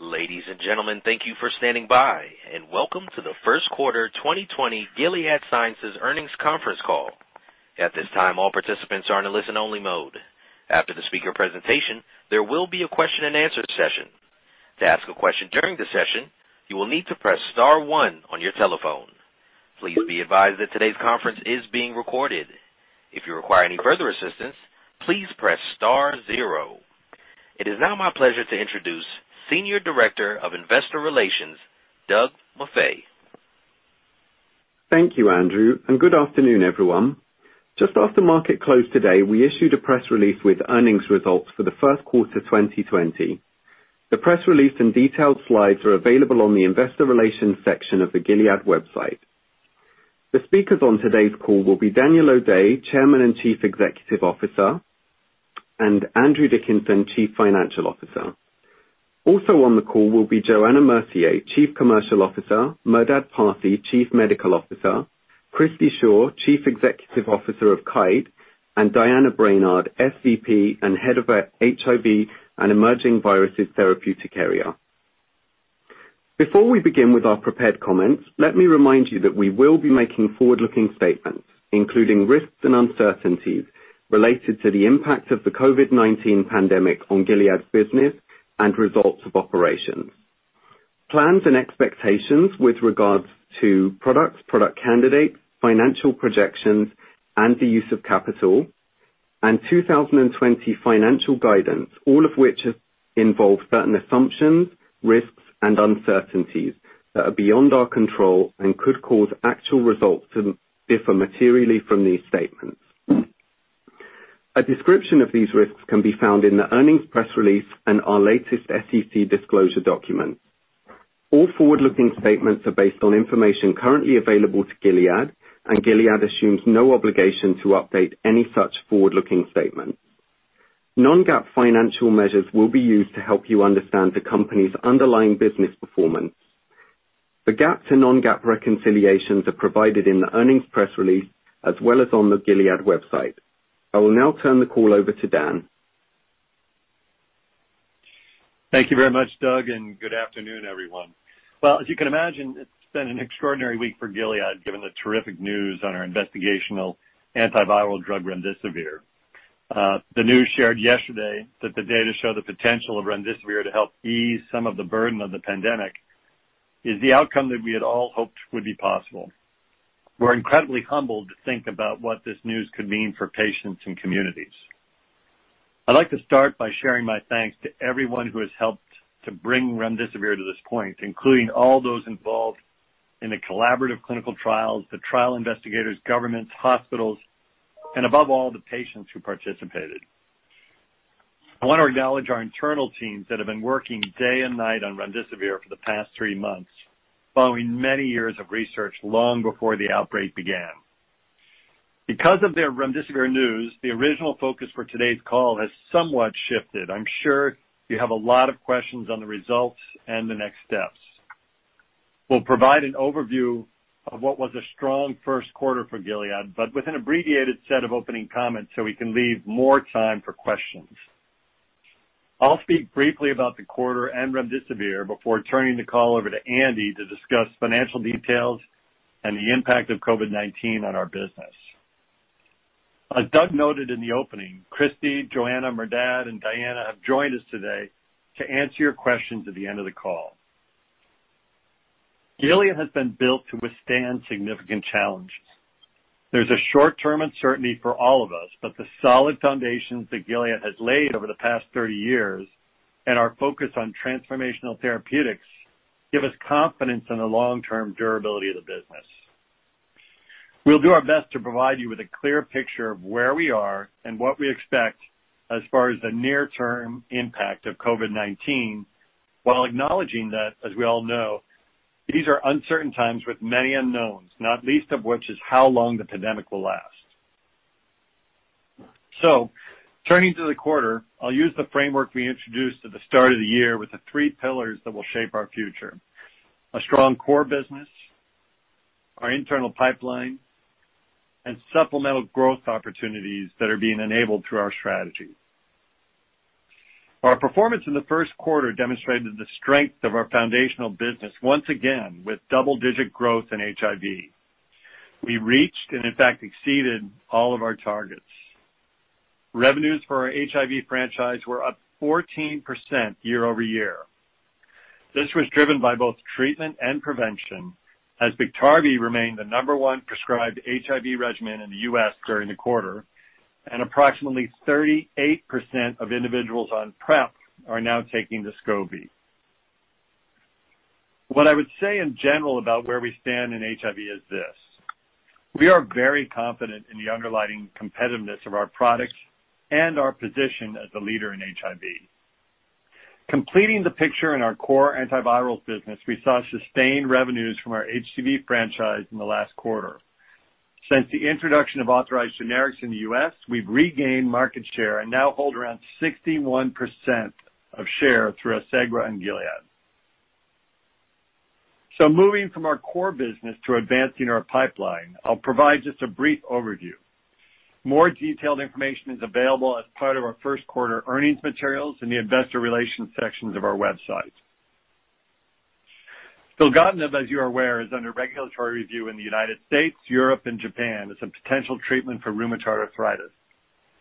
Ladies and gentlemen, thank you for standing by, welcome to the first quarter 2020 Gilead Sciences Earnings Conference Call. At this time, all participants are in a listen-only mode. After the speaker presentation, there will be a question and answer session. To ask a question during the session, you will need to press star one on your telephone. Please be advised that today's conference is being recorded. If you require any further assistance, please press star zero. It is now my pleasure to introduce Senior Director of Investor Relations, Doug Maffei. Thank you, Andrew. Good afternoon, everyone. Just after market close today, we issued a press release with earnings results for the first quarter 2020. The press release and detailed slides are available on the investor relations section of the Gilead website. The speakers on today's call will be Daniel O'Day, Chairman and Chief Executive Officer, and Andrew Dickinson, Chief Financial Officer. Also on the call will be Johanna Mercier, Chief Commercial Officer, Merdad Parsey, Chief Medical Officer, Christi Shaw, Chief Executive Officer of Kite, and Diana Brainard, SVP and Head of HIV and Emerging Viruses Therapeutic Area. Before we begin with our prepared comments, let me remind you that we will be making forward-looking statements, including risks and uncertainties related to the impact of the COVID-19 pandemic on Gilead's business and results of operations. Plans and expectations with regards to products, product candidates, financial projections, and the use of capital, and 2020 financial guidance, all of which involve certain assumptions, risks, and uncertainties that are beyond our control and could cause actual results to differ materially from these statements. A description of these risks can be found in the earnings press release and our latest SEC disclosure document. All forward-looking statements are based on information currently available to Gilead, and Gilead assumes no obligation to update any such forward-looking statement. Non-GAAP financial measures will be used to help you understand the company's underlying business performance. The GAAP to non-GAAP reconciliations are provided in the earnings press release, as well as on the Gilead website. I will now turn the call over to Dan. Thank you very much, Doug. Good afternoon, everyone. Well, as you can imagine, it's been an extraordinary week for Gilead, given the terrific news on our investigational antiviral drug remdesivir. The news shared yesterday that the data show the potential of remdesivir to help ease some of the burden of the pandemic is the outcome that we had all hoped would be possible. We're incredibly humbled to think about what this news could mean for patients and communities. I'd like to start by sharing my thanks to everyone who has helped to bring remdesivir to this point, including all those involved in the collaborative clinical trials, the trial investigators, governments, hospitals, and above all, the patients who participated. I want to acknowledge our internal teams that have been working day and night on remdesivir for the past three months, following many years of research long before the outbreak began. Because of the remdesivir news, the original focus for today's call has somewhat shifted. I'm sure you have a lot of questions on the results and the next steps. We'll provide an overview of what was a strong first quarter for Gilead, but with an abbreviated set of opening comments so we can leave more time for questions. I'll speak briefly about the quarter and remdesivir before turning the call over to Andy to discuss financial details and the impact of COVID-19 on our business. As Doug noted in the opening, Christi, Johanna, Merdad, and Diana have joined us today to answer your questions at the end of the call. Gilead has been built to withstand significant challenges. There's a short-term uncertainty for all of us, but the solid foundations that Gilead has laid over the past 30 years and our focus on transformational therapeutics give us confidence in the long-term durability of the business. We'll do our best to provide you with a clear picture of where we are and what we expect as far as the near-term impact of COVID-19, while acknowledging that, as we all know, these are uncertain times with many unknowns, not least of which is how long the pandemic will last. Turning to the quarter, I'll use the framework we introduced at the start of the year with the three pillars that will shape our future. A strong core business, our internal pipeline, and supplemental growth opportunities that are being enabled through our strategy. Our performance in the first quarter demonstrated the strength of our foundational business, once again with double-digit growth in HIV. We reached, and in fact exceeded, all of our targets. Revenues for our HIV franchise were up 14% year-over-year. This was driven by both treatment and prevention, as BIKTARVY remained the number one prescribed HIV regimen in the U.S. during the quarter, and approximately 38% of individuals on PrEP are now taking DESCOVY. What I would say in general about where we stand in HIV is this: We are very confident in the underlying competitiveness of our products and our position as a leader in HIV. Completing the picture in our core antivirals business, we saw sustained revenues from our HCV franchise in the last quarter. Since the introduction of authorized generics in the U.S., we've regained market share and now hold around 61% of share through Odefsey and Gilead. Moving from our core business to advancing our pipeline, I'll provide just a brief overview. More detailed information is available as part of our first-quarter earnings materials in the investor relations sections of our website. filgotinib, as you are aware, is under regulatory review in the United States, Europe, and Japan as a potential treatment for rheumatoid arthritis.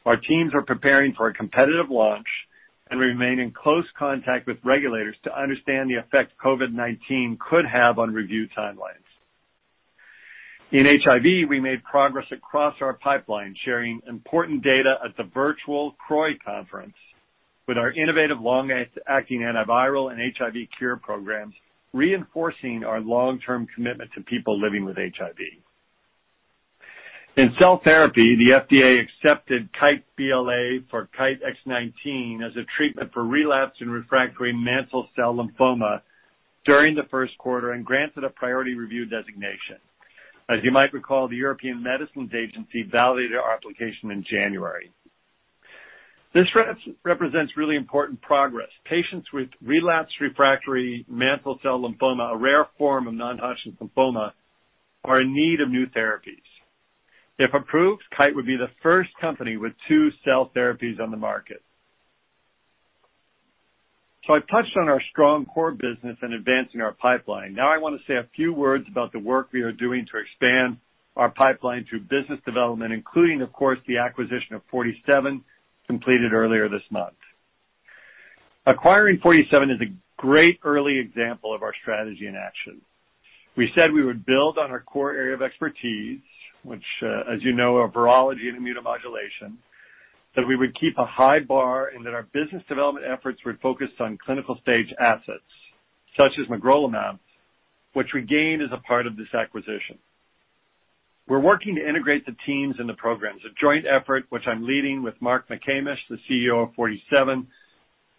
Our teams are preparing for a competitive launch and remain in close contact with regulators to understand the effect COVID-19 could have on review timelines. In HIV, we made progress across our pipeline, sharing important data at the virtual CROI Conference with our innovative long-acting antiviral and HIV cure programs, reinforcing our long-term commitment to people living with HIV. In cell therapy, the FDA accepted Kite BLA for KTE-X19 as a treatment for relapsed and refractory mantle cell lymphoma during the first quarter and granted a priority review designation. As you might recall, the European Medicines Agency validated our application in January. This represents really important progress. Patients with relapsed refractory mantle cell lymphoma, a rare form of non-Hodgkin's lymphoma, are in need of new therapies. If approved, Kite would be the first company with two cell therapies on the market. I touched on our strong core business and advancing our pipeline. Now I want to say a few words about the work we are doing to expand our pipeline through business development, including, of course, the acquisition of Forty Seven completed earlier this month. Acquiring Forty Seven is a great early example of our strategy in action. We said we would build on our core area of expertise, which, as you know, are virology and immunomodulation, that we would keep a high bar, and that our business development efforts would focus on clinical-stage assets, such as magrolimab, which we gained as a part of this acquisition. We're working to integrate the teams and the programs, a joint effort which I'm leading with Mark McCamish, the CEO of Forty Seven,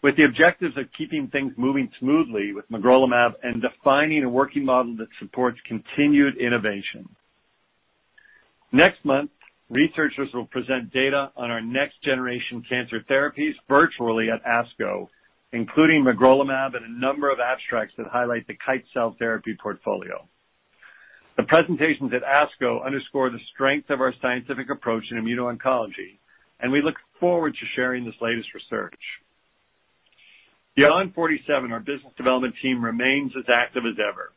with the objective of keeping things moving smoothly with magrolimab and defining a working model that supports continued innovation. Next month, researchers will present data on our next-generation cancer therapies virtually at ASCO, including magrolimab and a number of abstracts that highlight the Kite cell therapy portfolio. The presentations at ASCO underscore the strength of our scientific approach in immuno-oncology, and we look forward to sharing this latest research. Beyond Forty Seven, our business development team remains as active as ever.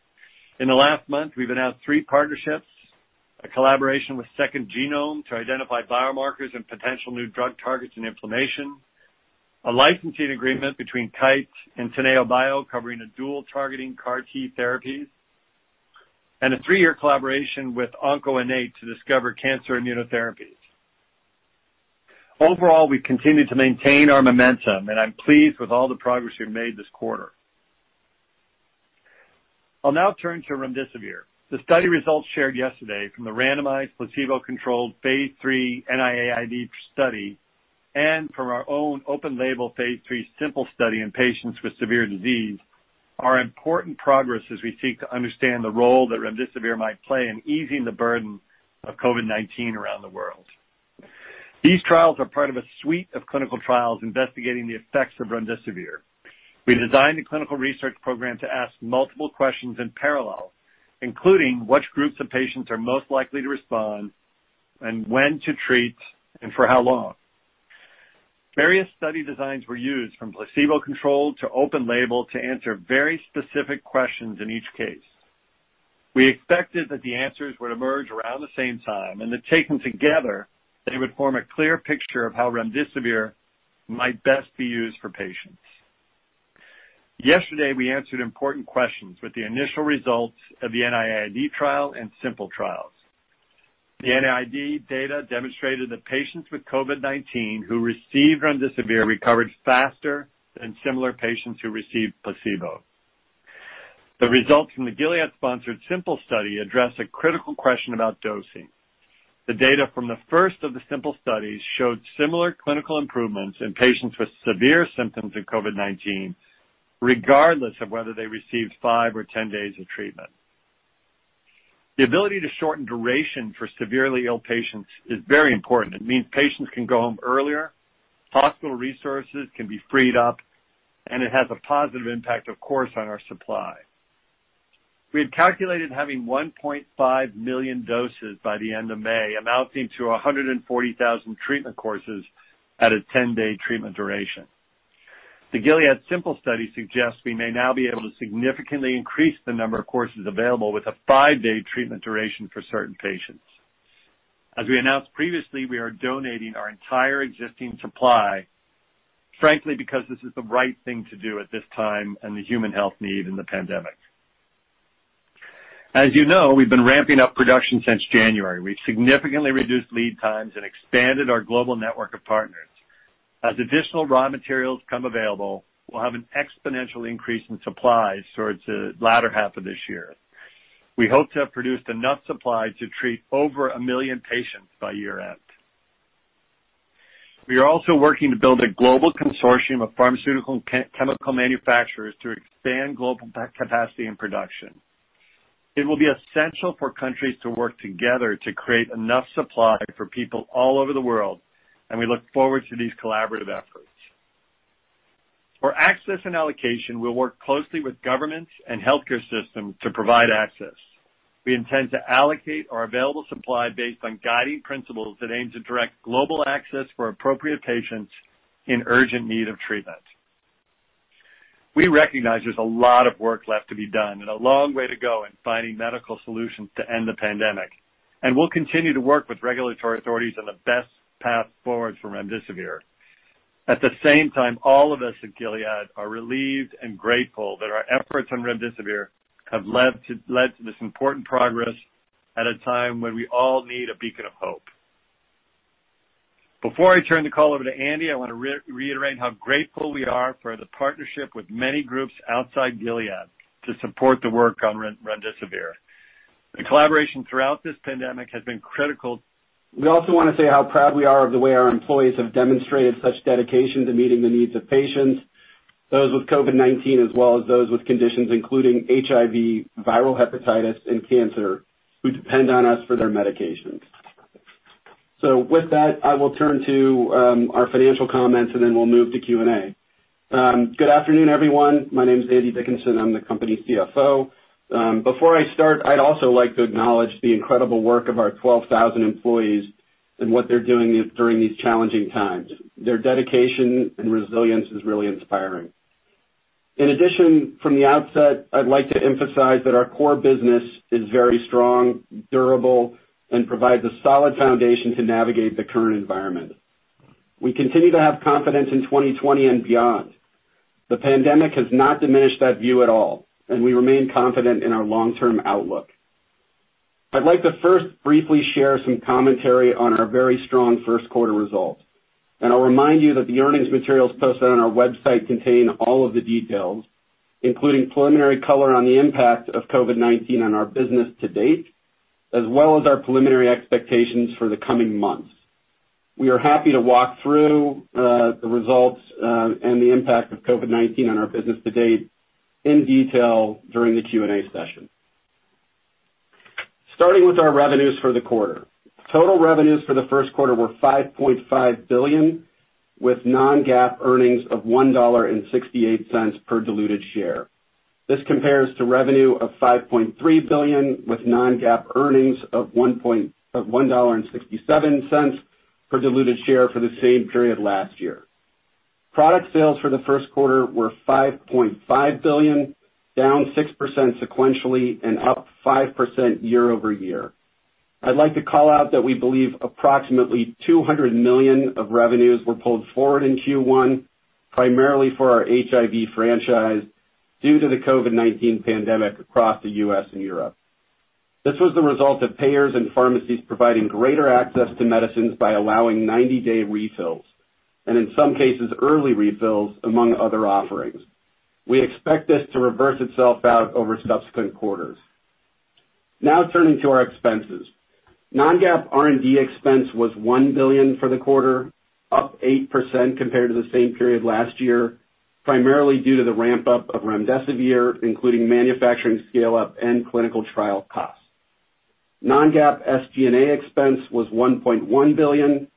In the last month, we've announced three partnerships, a collaboration with Second Genome to identify biomarkers and potential new drug targets in inflammation, a licensing agreement between Kite and Teneobio covering dual-targeting CAR T therapies, and a three-year collaboration with oNKo-innate to discover cancer immunotherapies. Overall, we continue to maintain our momentum, and I'm pleased with all the progress we've made this quarter. I'll now turn to remdesivir. The study results shared yesterday from the randomized placebo-controlled phase III NIAID study and from our own open-label phase III SIMPLE study in patients with severe disease are important progress as we seek to understand the role that remdesivir might play in easing the burden of COVID-19 around the world. These trials are part of a suite of clinical trials investigating the effects of remdesivir. We designed the clinical research program to ask multiple questions in parallel, including which groups of patients are most likely to respond and when to treat and for how long. Various study designs were used, from placebo-controlled to open label, to answer very specific questions in each case. We expected that the answers would emerge around the same time and that taken together, they would form a clear picture of how remdesivir might best be used for patients. Yesterday, we answered important questions with the initial results of the NIAID trial and SIMPLE trials. The NIAID data demonstrated that patients with COVID-19 who received remdesivir recovered faster than similar patients who received placebo. The results from the Gilead-sponsored SIMPLE study address a critical question about dosing. The data from the first of the SIMPLE studies showed similar clinical improvements in patients with severe symptoms of COVID-19, regardless of whether they received five or 10 days of treatment. The ability to shorten duration for severely ill patients is very important. It means patients can go home earlier, hospital resources can be freed up, and it has a positive impact, of course, on our supply. We had calculated having 1.5 million doses by the end of May, amounting to 140,000 treatment courses at a 10-day treatment duration. The Gilead SIMPLE study suggests we may now be able to significantly increase the number of courses available with a five-day treatment duration for certain patients. As we announced previously, we are donating our entire existing supply, frankly, because this is the right thing to do at this time and the human health need in the pandemic. As you know, we've been ramping up production since January. We've significantly reduced lead times and expanded our global network of partners. As additional raw materials come available, we'll have an exponential increase in supply towards the latter half of this year. We hope to have produced enough supply to treat over 1 million patients by year-end. We are also working to build a global consortium of pharmaceutical and chemical manufacturers to expand global capacity and production. It will be essential for countries to work together to create enough supply for people all over the world, and we look forward to these collaborative efforts. For access and allocation, we'll work closely with governments and healthcare systems to provide access. We intend to allocate our available supply based on guiding principles that aim to direct global access for appropriate patients in urgent need of treatment. We recognize there's a lot of work left to be done and a long way to go in finding medical solutions to end the pandemic. We'll continue to work with regulatory authorities on the best path forward for remdesivir. At the same time, all of us at Gilead are relieved and grateful that our efforts on remdesivir have led to this important progress at a time when we all need a beacon of hope. Before I turn the call over to Andy, I want to reiterate how grateful we are for the partnership with many groups outside Gilead to support the work on remdesivir. The collaboration throughout this pandemic has been critical. We also want to say how proud we are of the way our employees have demonstrated such dedication to meeting the needs of patients, those with COVID-19, as well as those with conditions including HIV, viral hepatitis, and cancer, who depend on us for their medications. With that, I will turn to our financial comments, and then we'll move to Q&A. Good afternoon, everyone. My name's Andy Dickinson. I'm the company's CFO. Before I start, I'd also like to acknowledge the incredible work of our 12,000 employees and what they're doing during these challenging times. Their dedication and resilience is really inspiring. I'd like to emphasize that our core business is very strong, durable, and provides a solid foundation to navigate the current environment. We continue to have confidence in 2020 and beyond. The pandemic has not diminished that view at all, and we remain confident in our long-term outlook. I'd like to first briefly share some commentary on our very strong first quarter results, and I'll remind you that the earnings materials posted on our website contain all of the details, including preliminary color on the impact of COVID-19 on our business to date, as well as our preliminary expectations for the coming months. We are happy to walk through the results and the impact of COVID-19 on our business to date in detail during the Q&A session. Starting with our revenues for the quarter. Total revenues for the first quarter were $5.5 billion, with non-GAAP earnings of $1.68 per diluted share. This compares to revenue of $5.3 billion with non-GAAP earnings of $1.67 per diluted share for the same period last year. Product sales for the first quarter were $5.5 billion, down 6% sequentially and up 5% year-over-year. I'd like to call out that we believe approximately $200 million of revenues were pulled forward in Q1, primarily for our HIV franchise, due to the COVID-19 pandemic across the U.S. and Europe. This was the result of payers and pharmacies providing greater access to medicines by allowing 90-day refills, and in some cases, early refills, among other offerings. We expect this to reverse itself out over subsequent quarters. Now turning to our expenses. Non-GAAP R&D expense was $1 billion for the quarter, up 8% compared to the same period last year, primarily due to the ramp-up of remdesivir, including manufacturing scale-up and clinical trial costs. Non-GAAP SG&A expense was $1.1 billion,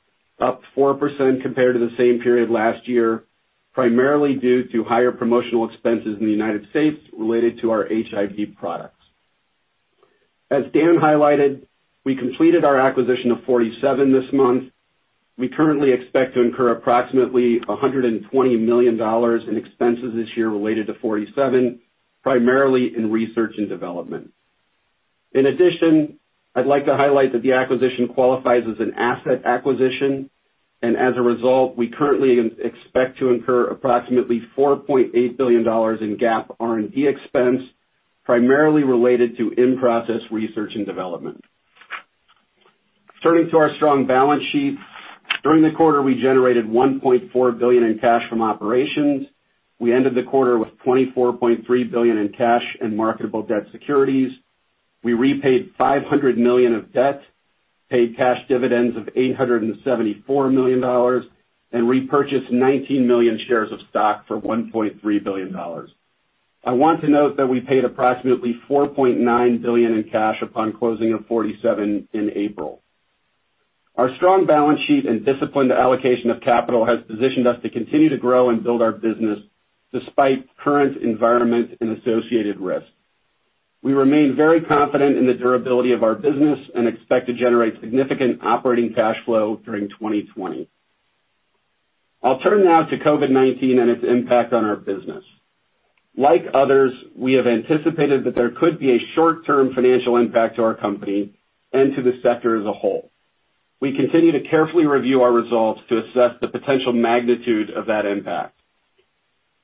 up 4% compared to the same period last year, primarily due to higher promotional expenses in the United States related to our HIV products. As Dan highlighted, we completed our acquisition of Forty Seven this month. We currently expect to incur approximately $120 million in expenses this year related to Forty Seven, primarily in research and development. In addition, I'd like to highlight that the acquisition qualifies as an asset acquisition, and as a result, we currently expect to incur approximately $4.8 billion in GAAP R&D expense, primarily related to in-process research and development. Turning to our strong balance sheet. During the quarter, we generated $1.4 billion in cash from operations. We ended the quarter with $24.3 billion in cash and marketable debt securities. We repaid $500 million of debt, paid cash dividends of $874 million, and repurchased 19 million shares of stock for $1.3 billion. I want to note that we paid approximately $4.9 billion in cash upon closing of Forty Seven in April. Our strong balance sheet and disciplined allocation of capital has positioned us to continue to grow and build our business despite current environment and associated risk. We remain very confident in the durability of our business and expect to generate significant operating cash flow during 2020. I'll turn now to COVID-19 and its impact on our business. Like others, we have anticipated that there could be a short-term financial impact to our company and to the sector as a whole. We continue to carefully review our results to assess the potential magnitude of that impact.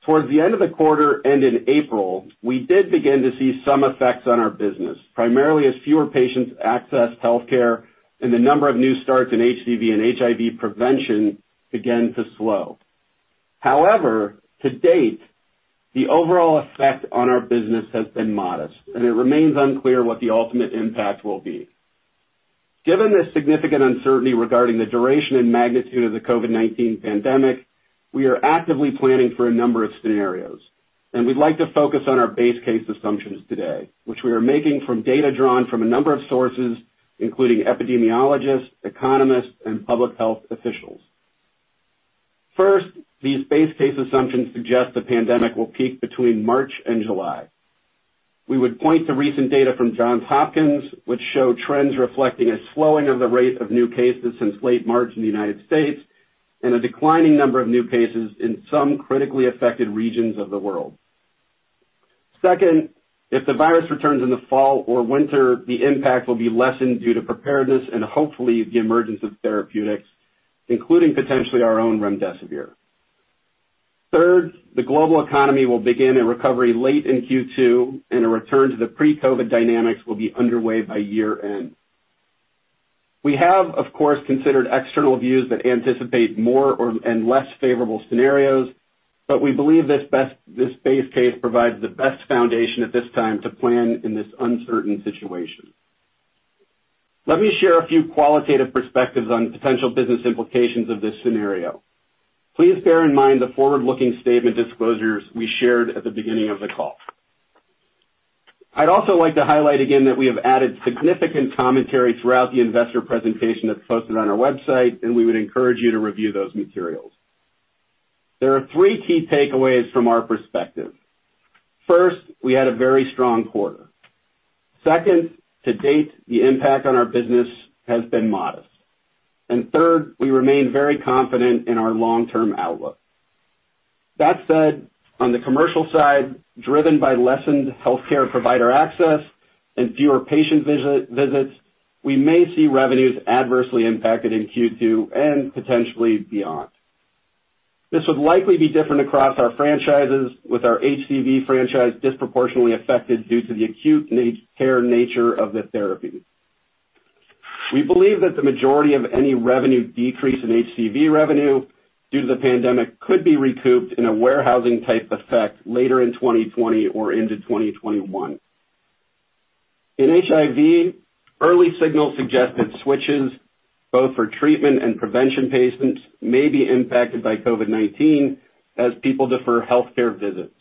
Towards the end of the quarter and in April, we did begin to see some effects on our business, primarily as fewer patients accessed healthcare and the number of new starts in HCV and HIV prevention began to slow. To date, the overall effect on our business has been modest, and it remains unclear what the ultimate impact will be. Given the significant uncertainty regarding the duration and magnitude of the COVID-19 pandemic, we are actively planning for a number of scenarios. We'd like to focus on our base case assumptions today, which we are making from data drawn from a number of sources, including epidemiologists, economists, and public health officials. First, these base case assumptions suggest the pandemic will peak between March and July. We would point to recent data from Johns Hopkins, which show trends reflecting a slowing of the rate of new cases since late March in the United States, and a declining number of new cases in some critically affected regions of the world. If the virus returns in the fall or winter, the impact will be lessened due to preparedness and hopefully the emergence of therapeutics, including potentially our own remdesivir. The global economy will begin a recovery late in Q2, and a return to the pre-COVID dynamics will be underway by year-end. We have, of course, considered external views that anticipate more and less favorable scenarios. We believe this base case provides the best foundation at this time to plan in this uncertain situation. Let me share a few qualitative perspectives on potential business implications of this scenario. Please bear in mind the forward-looking statement disclosures we shared at the beginning of the call. I'd also like to highlight again that we have added significant commentary throughout the investor presentation that's posted on our website. We would encourage you to review those materials. There are three key takeaways from our perspective. First, we had a very strong quarter. Second, to date, the impact on our business has been modest. Third, we remain very confident in our long-term outlook. That said, on the commercial side, driven by lessened healthcare provider access and fewer patient visits, we may see revenues adversely impacted in Q2 and potentially beyond. This would likely be different across our franchises, with our HCV franchise disproportionately affected due to the acute care nature of the therapy. We believe that the majority of any revenue decrease in HCV revenue due to the pandemic could be recouped in a warehousing type effect later in 2020 or into 2021. In HIV, early signals suggest that switches, both for treatment and prevention patients, may be impacted by COVID-19 as people defer healthcare visits.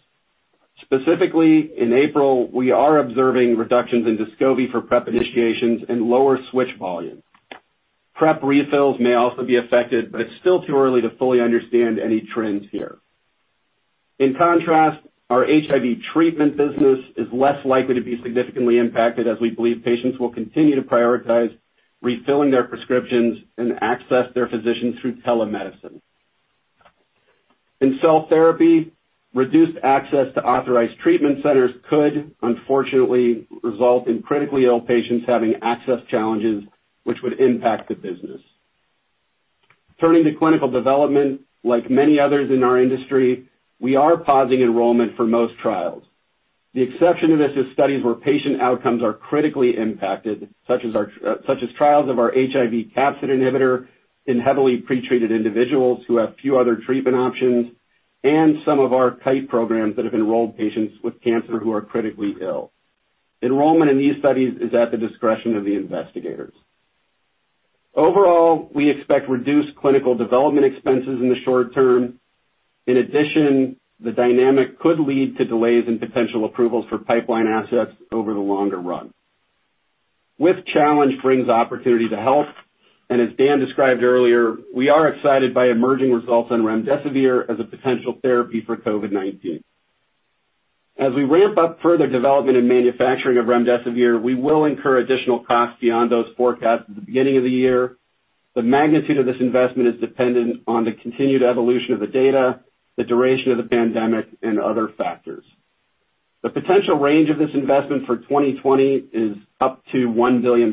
Specifically, in April, we are observing reductions in DESCOVY for PrEP initiations and lower switch volumes. PrEP refills may also be affected, but it's still too early to fully understand any trends here. In contrast, our HIV treatment business is less likely to be significantly impacted, as we believe patients will continue to prioritize refilling their prescriptions and access their physicians through telemedicine. In cell therapy, reduced access to authorized treatment centers could, unfortunately, result in critically ill patients having access challenges which would impact the business. Turning to clinical development, like many others in our industry, we are pausing enrollment for most trials. The exception to this is studies where patient outcomes are critically impacted, such as trials of our HIV capsid inhibitor in heavily pretreated individuals who have few other treatment options, and some of our Kite programs that have enrolled patients with cancer who are critically ill. Enrollment in these studies is at the discretion of the investigators. Overall, we expect reduced clinical development expenses in the short term. In addition, the dynamic could lead to delays in potential approvals for pipeline assets over the longer run. With challenge brings opportunity to help, and as Dan described earlier, we are excited by emerging results on remdesivir as a potential therapy for COVID-19. As we ramp up further development and manufacturing of remdesivir, we will incur additional costs beyond those forecast at the beginning of the year. The magnitude of this investment is dependent on the continued evolution of the data, the duration of the pandemic, and other factors. The potential range of this investment for 2020 is up to $1 billion,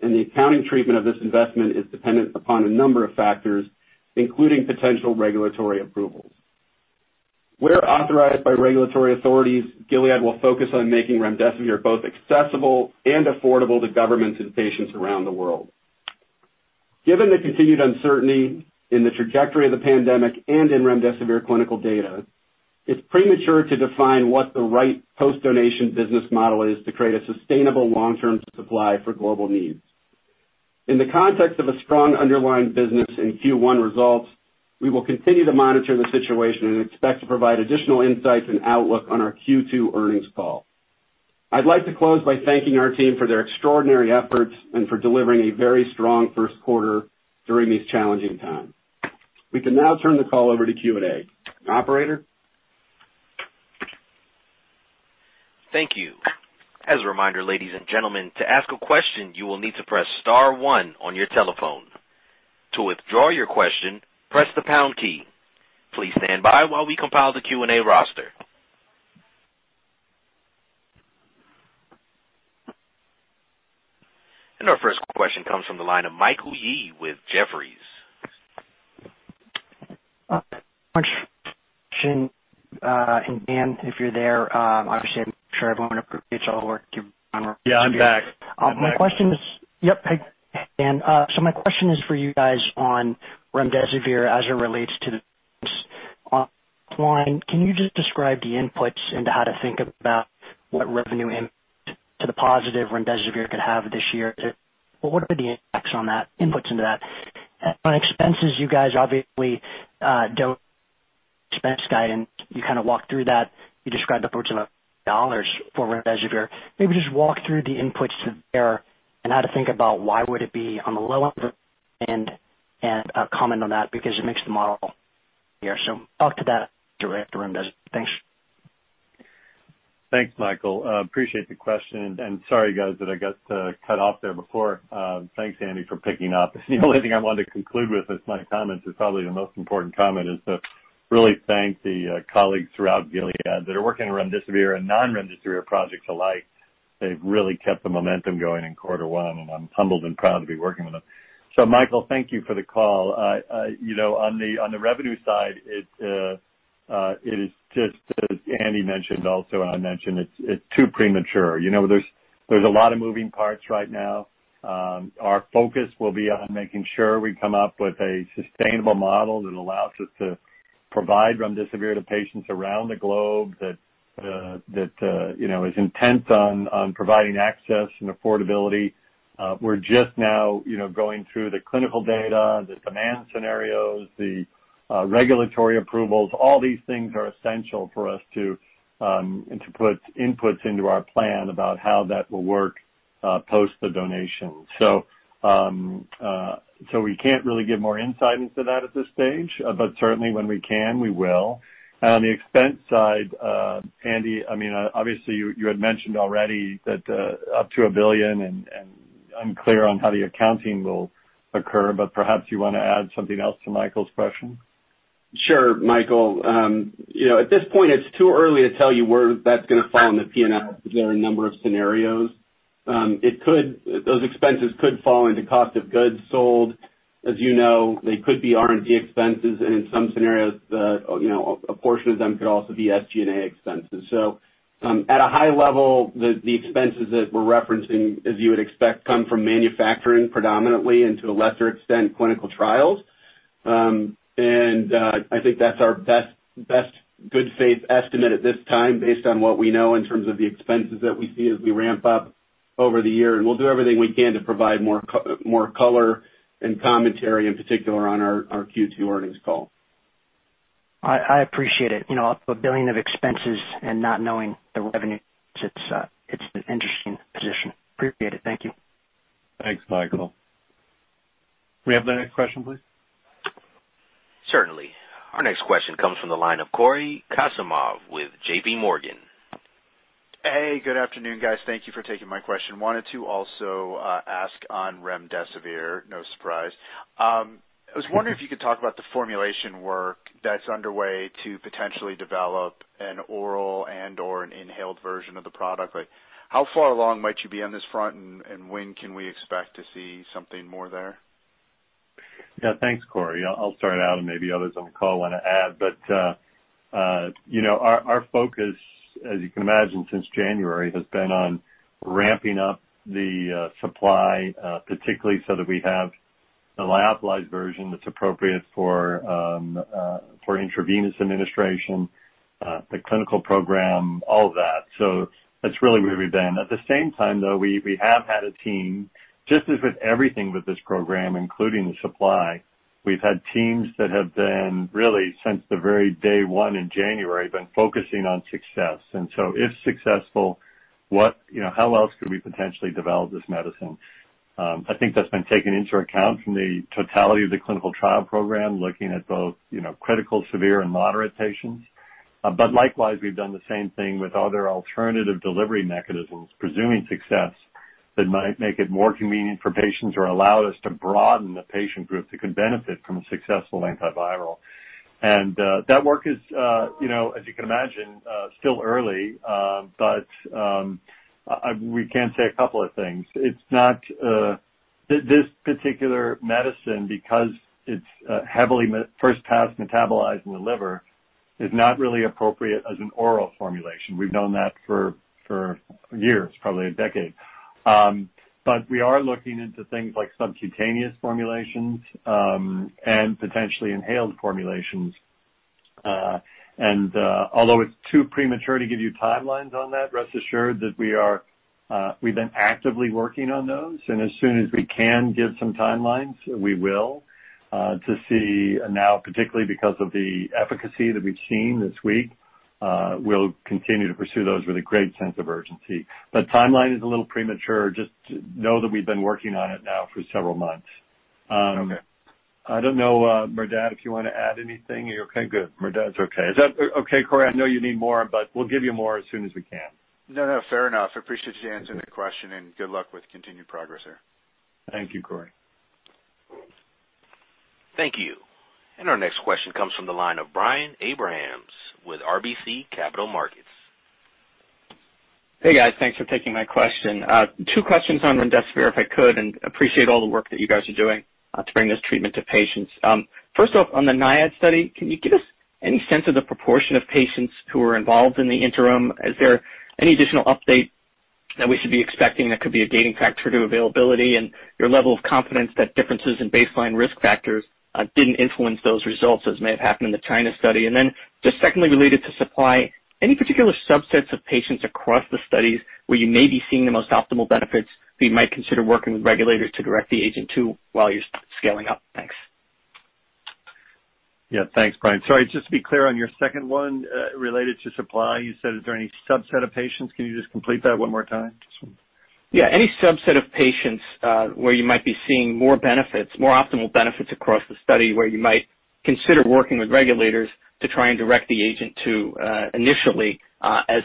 and the accounting treatment of this investment is dependent upon a number of factors, including potential regulatory approvals. Where authorized by regulatory authorities, Gilead will focus on making remdesivir both accessible and affordable to governments and patients around the world. Given the continued uncertainty in the trajectory of the pandemic and in remdesivir clinical data, it's premature to define what the right post-donation business model is to create a sustainable long-term supply for global needs. In the context of a strong underlying business and Q1 results, we will continue to monitor the situation and expect to provide additional insights and outlook on our Q2 earnings call. I'd like to close by thanking our team for their extraordinary efforts and for delivering a very strong first quarter during these challenging times. We can now turn the call over to Q&A. Operator? Thank you. As a reminder, ladies and gentlemen, to ask a question, you will need to press star one on your telephone. To withdraw your question, press the pound key. Please stand by while we compile the Q&A roster. Our first question comes from the line of Michael Yee with Jefferies. Thanks for the presentation, and Dan, if you're there, obviously I'm sure everyone appreciates all the work you've done. Yeah, I'm back. Yep. Hey, Dan. My question is for you guys on remdesivir as it relates to the pipeline. Can you just describe the inputs into how to think about what revenue impact to the positive remdesivir could have this year. What are the impacts on that, inputs into that? On expenses, you guys obviously don't expense guide, and you kind of walk through that. You described the portion of dollars for remdesivir. Maybe just walk through the inputs to there and how to think about why would it be on the lower end, and comment on that because it makes the model here. Talk to that direct to remdes. Thanks. Thanks, Michael. Appreciate the question, and sorry guys that I got cut off there before. Thanks, Andy, for picking up. The only thing I wanted to conclude with is my comments is probably the most important comment, is to really thank the colleagues throughout Gilead that are working on remdesivir and non-remdesivir projects alike. They've really kept the momentum going in quarter one, and I'm humbled and proud to be working with them. Michael, thank you for the call. On the revenue side, it is just as Andy mentioned also, and I mentioned, it's too premature. There's a lot of moving parts right now. Our focus will be on making sure we come up with a sustainable model that allows us to provide remdesivir to patients around the globe that is intent on providing access and affordability. We're just now going through the clinical data, the demand scenarios, the regulatory approvals. All these things are essential for us to put inputs into our plan about how that will work post the donation. We can't really give more insight into that at this stage. Certainly when we can, we will. On the expense side, Andy, obviously you had mentioned already that up to $1 billion and unclear on how the accounting will occur, but perhaps you want to add something else to Michael's question? Sure, Michael. At this point, it's too early to tell you where that's going to fall in the P&L because there are a number of scenarios. Those expenses could fall into cost of goods sold. As you know, they could be R&D expenses, and in some scenarios, a portion of them could also be SG&A expenses. At a high level, the expenses that we're referencing, as you would expect, come from manufacturing predominantly and to a lesser extent, clinical trials. I think that's our best good faith estimate at this time based on what we know in terms of the expenses that we see as we ramp up over the year. We'll do everything we can to provide more color and commentary, in particular on our Q2 earnings call. I appreciate it. Up $1 billion of expenses and not knowing the revenue, it's an interesting position. Appreciate it. Thank you. Thanks, Michael. May I have the next question, please? Certainly. Our next question comes from the line of Cory Kasimov with J.P. Morgan. Hey, good afternoon, guys. Thank you for taking my question. Wanted to also ask on remdesivir. No surprise. I was wondering if you could talk about the formulation work that's underway to potentially develop an oral and/or an inhaled version of the product. How far along might you be on this front, and when can we expect to see something more there? Yeah. Thanks, Cory. I'll start out and maybe others on the call want to add. Our focus, as you can imagine, since January, has been on ramping up the supply, particularly so that we have the lyophilized version that's appropriate for intravenous administration, the clinical program, all of that. That's really where we've been. At the same time, though, we have had a team, just as with everything with this program, including the supply, we've had teams that have been really since the very day one in January, been focusing on success. If successful, how else could we potentially develop this medicine? I think that's been taken into account from the totality of the clinical trial program, looking at both critical, severe, and moderate patients. Likewise, we've done the same thing with other alternative delivery mechanisms, presuming success that might make it more convenient for patients or allow us to broaden the patient group that can benefit from a successful antiviral. That work is, as you can imagine, still early. We can say a couple of things. This particular medicine, because it's heavily first pass metabolized in the liver, is not really appropriate as an oral formulation. We've known that for years, probably a decade. We are looking into things like subcutaneous formulations, and potentially inhaled formulations. Although it's too premature to give you timelines on that, rest assured that we've been actively working on those, and as soon as we can give some timelines, we will to see now, particularly because of the efficacy that we've seen this week. We'll continue to pursue those with a great sense of urgency. Timeline is a little premature. Just know that we've been working on it now for several months. Okay. I don't know, Merdad, if you want to add anything? You're okay? Good. Merdad's okay. Is that okay, Cory? I know you need more, but we'll give you more as soon as we can. No, no, fair enough. I appreciate you answering the question and good luck with continued progress there. Thank you, Cory. Thank you. Our next question comes from the line of Brian Abrahams with RBC Capital Markets. Hey, guys. Thanks for taking my question. Two questions on remdesivir, if I could, and appreciate all the work that you guys are doing to bring this treatment to patients. First off, on the NIAID study, can you give us any sense of the proportion of patients who are involved in the interim? Is there any additional update that we should be expecting that could be a gating factor to availability and your level of confidence that differences in baseline risk factors didn't influence those results as may have happened in the China study? Just secondly, related to supply, any particular subsets of patients across the studies where you may be seeing the most optimal benefits that you might consider working with regulators to direct the agent to while you're scaling up? Thanks. Yeah. Thanks, Brian. Sorry, just to be clear on your second one, related to supply, you said, is there any subset of patients? Can you just complete that one more time? Yeah. Any subset of patients, where you might be seeing more optimal benefits across the study where you might consider working with regulators to try and direct the agent to initially as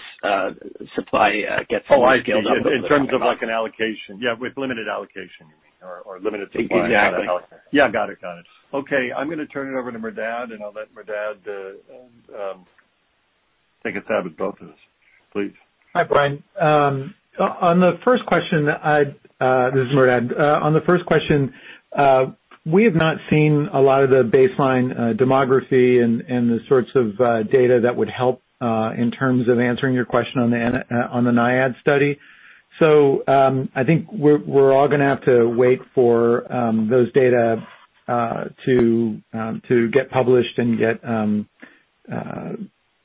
supply gets more scaled up? Oh, I see. In terms of an allocation. Yeah, with limited allocation, you mean, or limited supply- Exactly on that allocation. Yeah. Got it. Okay. I'm going to turn it over to Merdad, and I'll let Merdad take a stab at both of those. Please. Hi, Brian. This is Merdad. On the first question, we have not seen a lot of the baseline demography and the sorts of data that would help in terms of answering your question on the NIAID study. I think we're all going to have to wait for those data to get published and get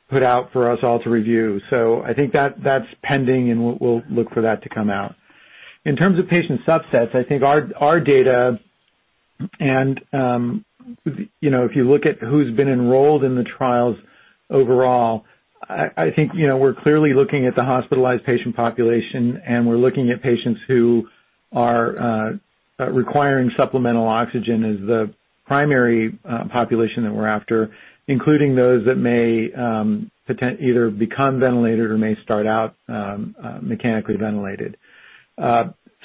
put out for us all to review. I think that's pending, and we'll look for that to come out. In terms of patient subsets, I think our data and if you look at who's been enrolled in the trials overall, I think we're clearly looking at the hospitalized patient population, and we're looking at patients who are requiring supplemental oxygen as the primary population that we're after, including those that may either become ventilated or may start out mechanically ventilated.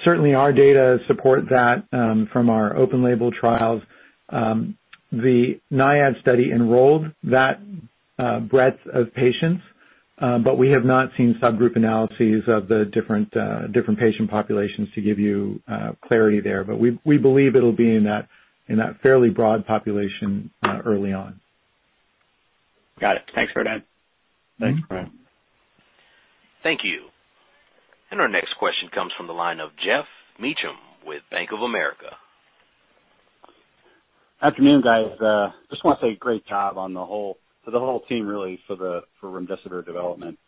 Certainly, our data support that from our open label trials. The NIAID study enrolled that breadth of patients. We have not seen subgroup analyses of the different patient populations to give you clarity there. We believe it'll be in that fairly broad population early on. Got it. Thanks, Merdad. Thanks, Brian. Thank you. Our next question comes from the line of Geoffrey Meacham with Bank of America. Afternoon, guys. Just want to say great job for the whole team really for remdesivir development.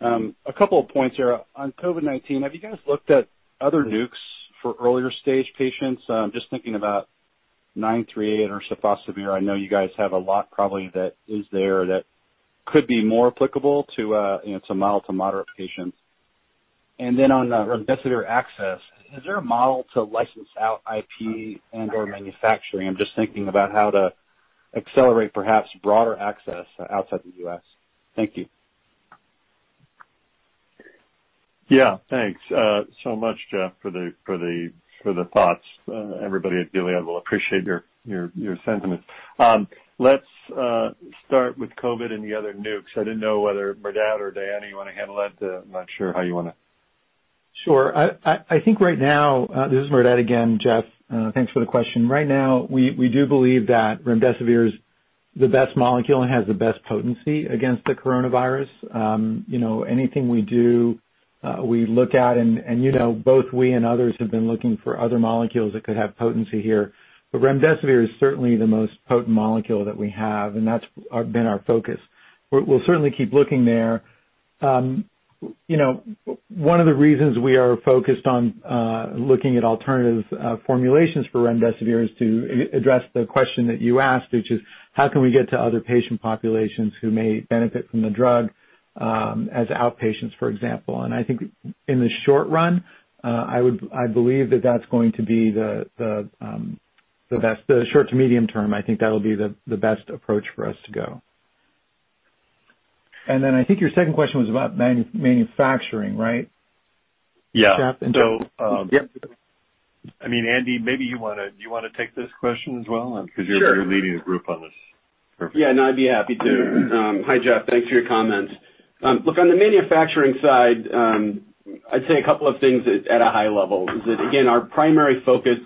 A couple of points here. On COVID-19, have you guys looked at other nukes for earlier stage patients? I'm just thinking about nine three A and sofosbuvir. I know you guys have a lot probably that is there that could be more applicable to mild to moderate patients. On remdesivir access, is there a model to license out IP and/or manufacturing? I'm just thinking about how to accelerate perhaps broader access outside the U.S. Thank you. Yeah. Thanks so much, Jeff, for the thoughts. Everybody at Gilead will appreciate your sentiments. Let's start with COVID and the other nukes. I didn't know whether Merdad or Danny you want to handle that. I'm not sure how you want to. Sure. This is Merdad again, Jeff. Thanks for the question. Right now, we do believe that remdesivir is the best molecule and has the best potency against the coronavirus. Anything we do, we look at, both we and others have been looking for other molecules that could have potency here. remdesivir is certainly the most potent molecule that we have, and that's been our focus. We'll certainly keep looking there. One of the reasons we are focused on looking at alternative formulations for remdesivir is to address the question that you asked, which is how can we get to other patient populations who may benefit from the drug as outpatients, for example. I think in the short run, I believe that that's going to be the best. The short to medium term, I think that'll be the best approach for us to go. I think your second question was about manufacturing, right? Yeah. Jeff, Yep. Andy, maybe do you want to take this question as well? Sure. You're leading the group on this. Perfect. Yeah, no, I'd be happy to. Hi, Jeff. Thanks for your comments. Look, on the manufacturing side, I'd say a couple of things at a high level is that, again, our primary focus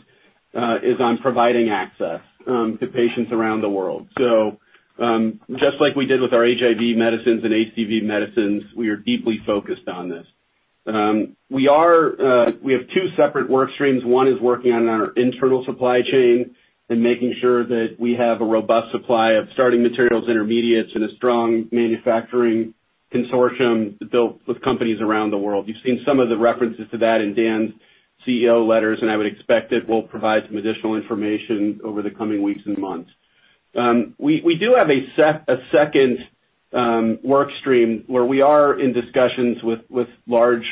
is on providing access to patients around the world. Just like we did with our HIV medicines and HCV medicines, we are deeply focused on this. We have two separate work streams. One is working on our internal supply chain and making sure that we have a robust supply of starting materials, intermediates, and a strong manufacturing consortium built with companies around the world. You've seen some of the references to that in Dan's CEO letters, and I would expect it will provide some additional information over the coming weeks and months. We do have a second work stream where we are in discussions with large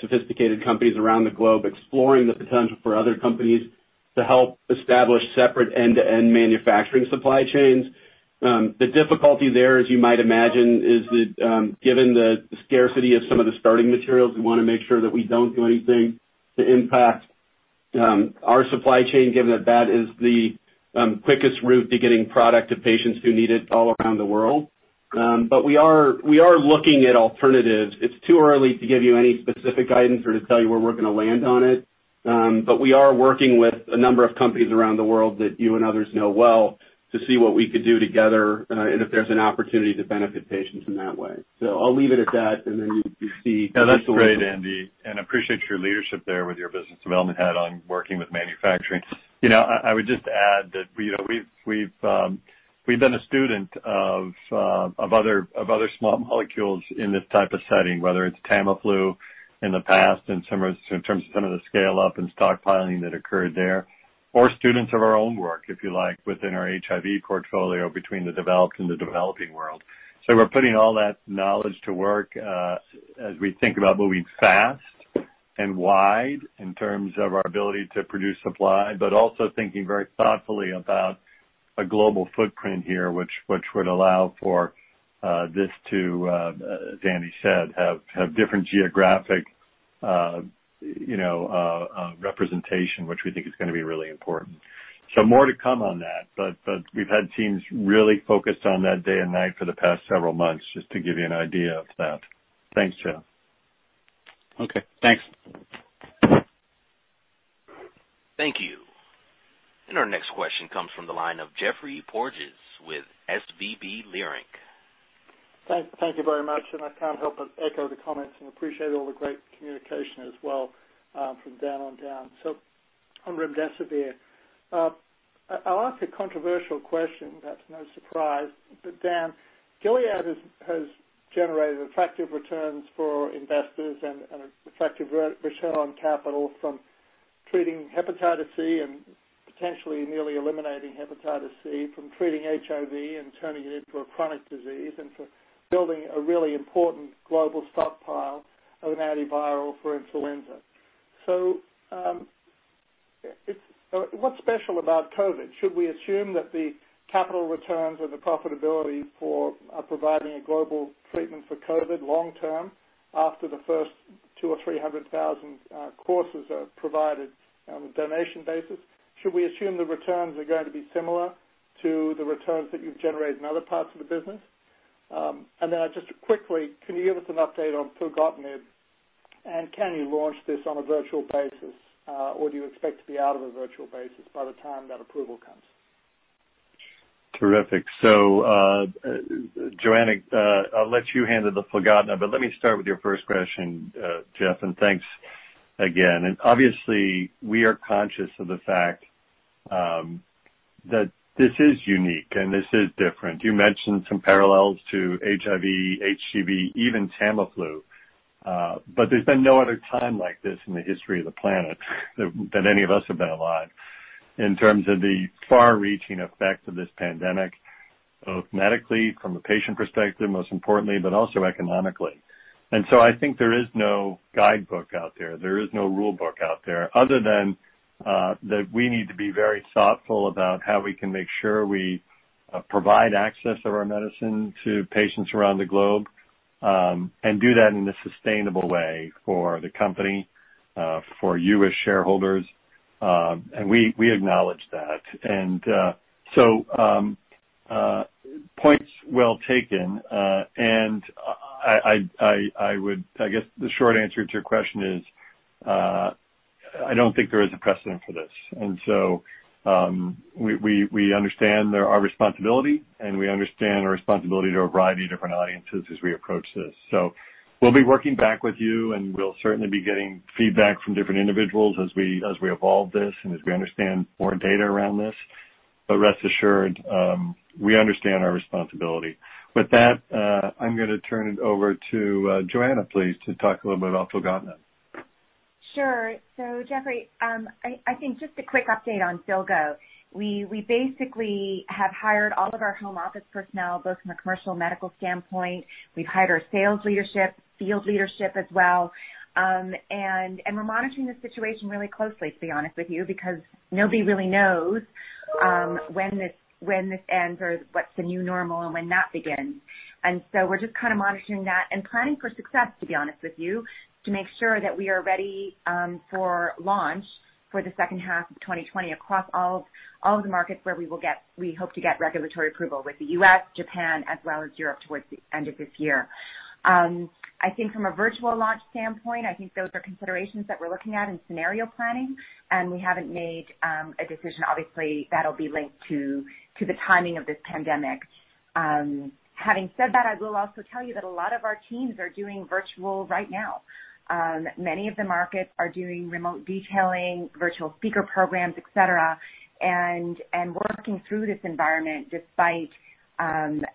sophisticated companies around the globe exploring the potential for other companies to help establish separate end-to-end manufacturing supply chains. The difficulty there, as you might imagine, is that given the scarcity of some of the starting materials, we want to make sure that we don't do anything to impact our supply chain given that that is the quickest route to getting product to patients who need it all around the world. We are looking at alternatives. It's too early to give you any specific guidance or to tell you where we're going to land on it. We are working with a number of companies around the world that you and others know well to see what we could do together and if there's an opportunity to benefit patients in that way. I'll leave it at that, and then you see. Yeah, that's great, Andy, appreciate your leadership there with your business development hat on working with manufacturing. I would just add that we've been a student of other small molecules in this type of setting, whether it's Tamiflu in the past in terms of some of the scale-up and stockpiling that occurred there, or students of our own work, if you like, within our HIV portfolio between the developed and the developing world. We're putting all that knowledge to work as we think about moving fast and wide in terms of our ability to produce supply, but also thinking very thoughtfully about a global footprint here, which would allow for this to, as Andy said, have different geographic representation, which we think is going to be really important. More to come on that, but we've had teams really focused on that day and night for the past several months, just to give you an idea of that. Thanks, Jeff. Okay, thanks. Thank you. Our next question comes from the line of Geoffrey Porges with SVB Leerink. Thank you very much, and I can't help but echo the comments and appreciate all the great communication as well from Dan on down. On remdesivir. I'll ask a controversial question, that's no surprise. Dan, Gilead has generated attractive returns for investors and an attractive return on capital from treating hepatitis C and potentially nearly eliminating hepatitis C from treating HIV and turning it into a chronic disease and for building a really important global stockpile of an antiviral for influenza. What's special about COVID-19? Should we assume that the capital returns or the profitability for providing a global treatment for COVID-19 long term after the first two or 300,000 courses are provided on a donation basis, should we assume the returns are going to be similar to the returns that you've generated in other parts of the business? Just quickly, can you give us an update on filgotinib, and can you launch this on a virtual basis? Do you expect to be out of a virtual basis by the time that approval comes? Terrific. Johanna, I'll let you handle the filgotinib, but let me start with your first question, Jeff, and thanks again. Obviously, we are conscious of the fact that this is unique and this is different. You mentioned some parallels to HIV, HCV, even Tamiflu. There's been no other time like this in the history of the planet that any of us have been alive in terms of the far-reaching effects of this pandemic, both medically from a patient perspective, most importantly, but also economically. I think there is no guidebook out there. There is no rulebook out there other than that we need to be very thoughtful about how we can make sure we provide access of our medicine to patients around the globe, and do that in a sustainable way for the company, for you as shareholders. We acknowledge that. Points well taken. I would, I guess, the short answer to your question is, I don't think there is a precedent for this. We understand our responsibility and we understand our responsibility to a variety of different audiences as we approach this. We'll be working back with you and we'll certainly be getting feedback from different individuals as we evolve this and as we understand more data around this. Rest assured, we understand our responsibility. With that, I'm going to turn it over to Johanna, please, to talk a little bit about filgotinib. Sure. Geoffrey, I think just a quick update on filgotinib. We basically have hired all of our home office personnel, both from a commercial medical standpoint. We've hired our sales leadership, field leadership as well. We're monitoring the situation really closely, to be honest with you, because nobody really knows when this ends or what's the new normal and when that begins. We're just kind of monitoring that and planning for success, to be honest with you, to make sure that we are ready for launch for the second half of 2020 across all of the markets where we hope to get regulatory approval with the U.S., Japan, as well as Europe towards the end of this year. I think from a virtual launch standpoint, I think those are considerations that we're looking at in scenario planning, and we haven't made a decision. Obviously, that'll be linked to the timing of this pandemic. Having said that, I will also tell you that a lot of our teams are doing virtual right now. Many of the markets are doing remote detailing, virtual speaker programs, et cetera, and working through this environment despite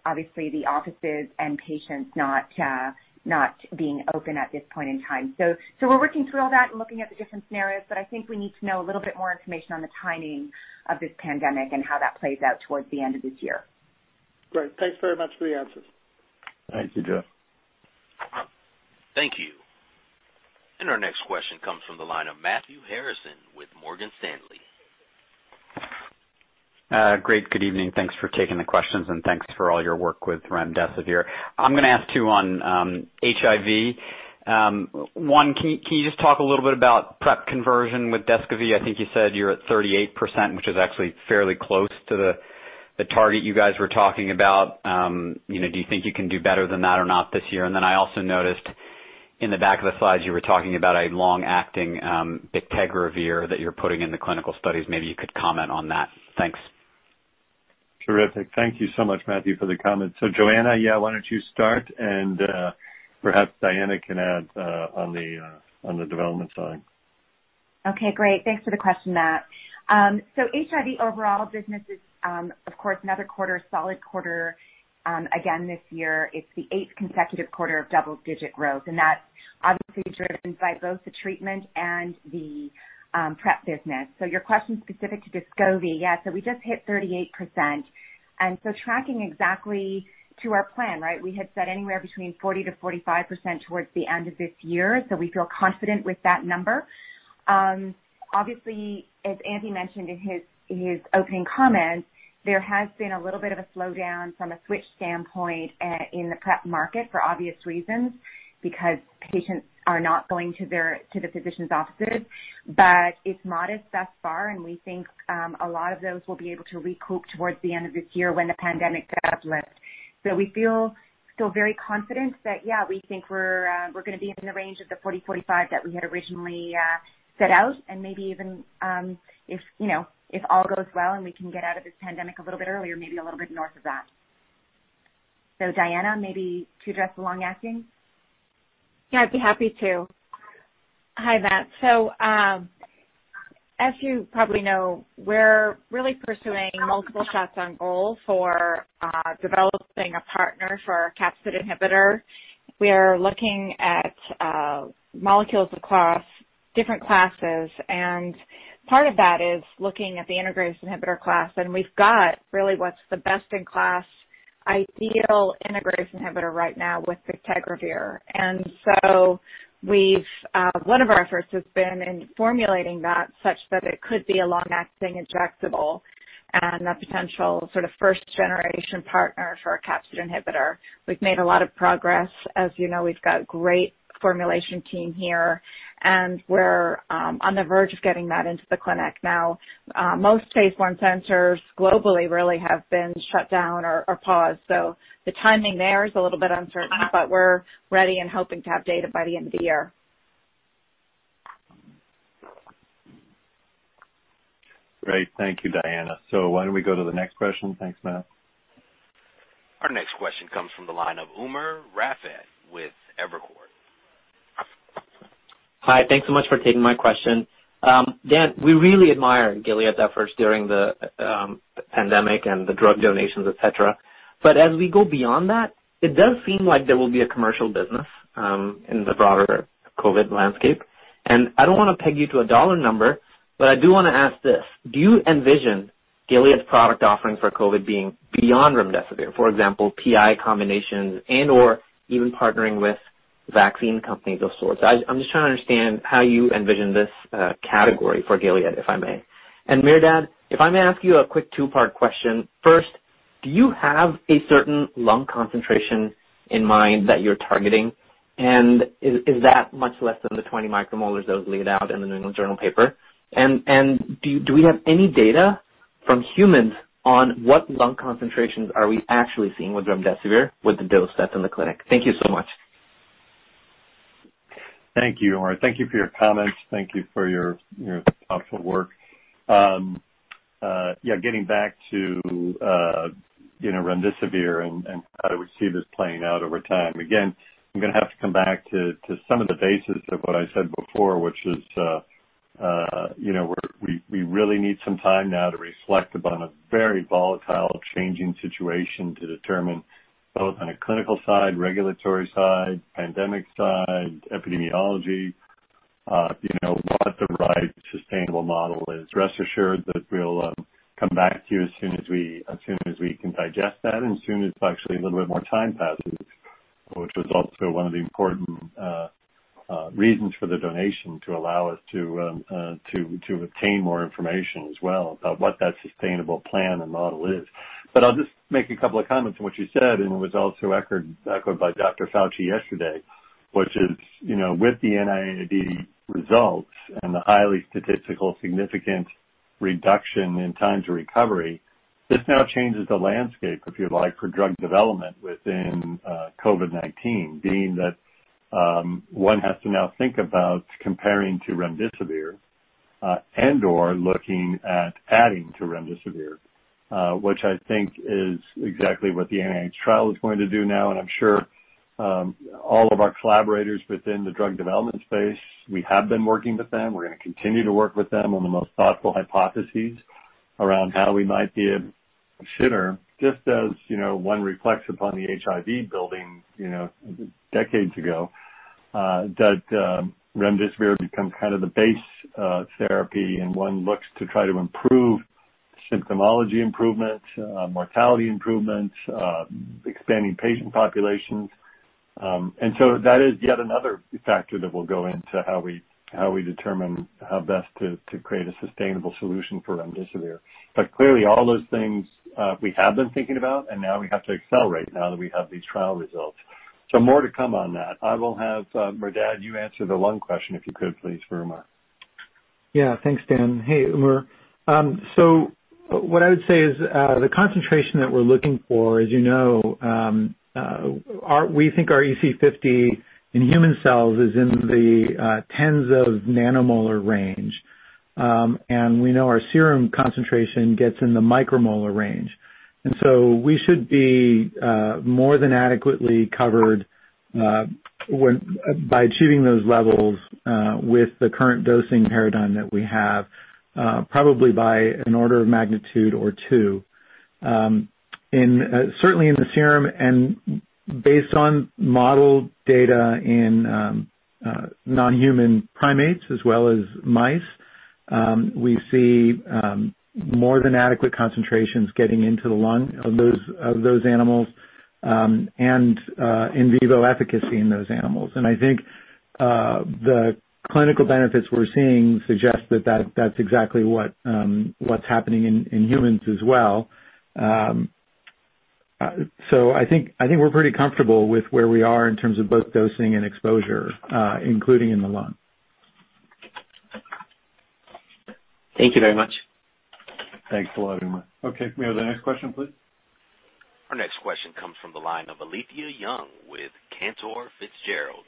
obviously the offices and patients not being open at this point in time. We're working through all that and looking at the different scenarios, but I think we need to know a little bit more information on the timing of this pandemic and how that plays out towards the end of this year. Great. Thanks very much for the answers. Thanks. Enjoy. Thank you. Our next question comes from the line of Matthew Harrison with Morgan Stanley. Great. Good evening. Thanks for taking the questions and thanks for all your work with remdesivir. I'm going to ask two on HIV. One, can you just talk a little bit about PrEP conversion with DESCOVY? I think you said you're at 38%, which is actually fairly close to the The target you guys were talking about, do you think you can do better than that or not this year? I also noticed in the back of the slides you were talking about a long-acting bictegravir that you're putting into clinical studies. Maybe you could comment on that. Thanks. Terrific. Thank you so much, Matthew, for the comments. Johanna, yeah, why don't you start and perhaps Diana can add on the development side. Okay, great. Thanks for the question, Matt. HIV overall business is, of course, another quarter, solid quarter. Again, this year, it's the eighth consecutive quarter of double-digit growth, and that's obviously driven by both the treatment and the PrEP business. Your question specific to DESCOVY, yeah, we just hit 38%. Tracking exactly to our plan, right? We had said anywhere between 40%-45% towards the end of this year. We feel confident with that number. Obviously, as Andy mentioned in his opening comments, there has been a little bit of a slowdown from a switch standpoint in the PrEP market for obvious reasons, because patients are not going to the physician's offices. It's modest thus far, and we think a lot of those will be able to recoup towards the end of this year when the pandemic does lift. We feel still very confident that, yeah, we think we're going to be in the range of the 40%-45% that we had originally set out and maybe even, if all goes well and we can get out of this pandemic a little bit earlier, maybe a little bit north of that. Diana, maybe to address the long-acting. Yeah, I'd be happy to. Hi, Matt. As you probably know, we're really pursuing multiple shots on goal for developing a partner for our capsid inhibitor. We are looking at molecules across different classes, and part of that is looking at the integrase inhibitor class, and we've got really what's the best-in-class ideal integrase inhibitor right now with bictegravir. One of our efforts has been in formulating that such that it could be a long-acting injectable and a potential sort of first-generation partner for our capsid inhibitor. We've made a lot of progress. As you know, we've got a great formulation team here, and we're on the verge of getting that into the clinic. Now, most phase I centers globally really have been shut down or paused. The timing there is a little bit uncertain, but we're ready and hoping to have data by the end of the year. Great. Thank you, Diana. Why don't we go to the next question? Thanks, Matt. Our next question comes from the line of Umer Raffat with Evercore. Hi. Thanks so much for taking my question. Dan, we really admire Gilead's efforts during the pandemic and the drug donations, et cetera. As we go beyond that, it does seem like there will be a commercial business in the broader COVID landscape. I don't want to peg you to a dollar number, but I do want to ask this. Do you envision Gilead's product offering for COVID being beyond remdesivir? For example, PI combinations and/or even partnering with vaccine companies of sorts. I'm just trying to understand how you envision this category for Gilead, if I may. Merdad, if I may ask you a quick two-part question. First, do you have a certain lung concentration in mind that you're targeting? Is that much less than the 20 micromolars that was laid out in the New England Journal paper? Do we have any data from humans on what lung concentrations are we actually seeing with remdesivir with the dose that's in the clinic? Thank you so much. Thank you, Umer. Thank you for your comments. Thank you for your thoughtful work. Getting back to remdesivir and how we see this playing out over time. I'm going to have to come back to some of the basis of what I said before, which is we really need some time now to reflect upon a very volatile, changing situation to determine both on a clinical side, regulatory side, pandemic side, epidemiology what the right sustainable model is. Rest assured that we'll come back to you as soon as we can digest that and soon as actually a little bit more time passes, which was also one of the important reasons for the donation to allow us to obtain more information as well about what that sustainable plan and model is. I'll just make a couple of comments on what you said, and it was also echoed by Dr. Fauci yesterday, which is with the NIAID results and the highly statistical significant reduction in time to recovery, this now changes the landscape, if you like, for drug development within COVID-19, being that one has to now think about comparing to remdesivir and/or looking at adding to remdesivir which I think is exactly what the NIH trial is going to do now. I'm sure all of our collaborators within the drug development space, we have been working with them. We're going to continue to work with them on the most thoughtful hypotheses around how we might be able to consider, just as one reflects upon the HIV building decades ago that remdesivir become kind of the base therapy and one looks to try to improve symptomology improvement, mortality improvements, expanding patient populations. That is yet another factor that will go into how we determine how best to create a sustainable solution for remdesivir. Clearly, all those things we have been thinking about, and now we have to accelerate now that we have these trial results. More to come on that. I will have Merdad, you answer the lung question, if you could please, for Umer. Thanks, Dan. Hey, Umar. What I would say is the concentration that we're looking for, as you know, we think our EC50 in human cells is in the tens of nanomolar range. We know our serum concentration gets in the micromolar range. We should be more than adequately covered by achieving those levels with the current dosing paradigm that we have probably by an order of magnitude or two. Certainly in the serum and based on model data in non-human primates as well as mice, we see more than adequate concentrations getting into the lung of those animals and in vivo efficacy in those animals. I think the clinical benefits we're seeing suggest that's exactly what's happening in humans as well. I think we're pretty comfortable with where we are in terms of both dosing and exposure including in the lung. Thank you very much. Thanks a lot, Umer. Okay. May we have the next question, please? Our next question comes from the line of Alethia Young with Cantor Fitzgerald.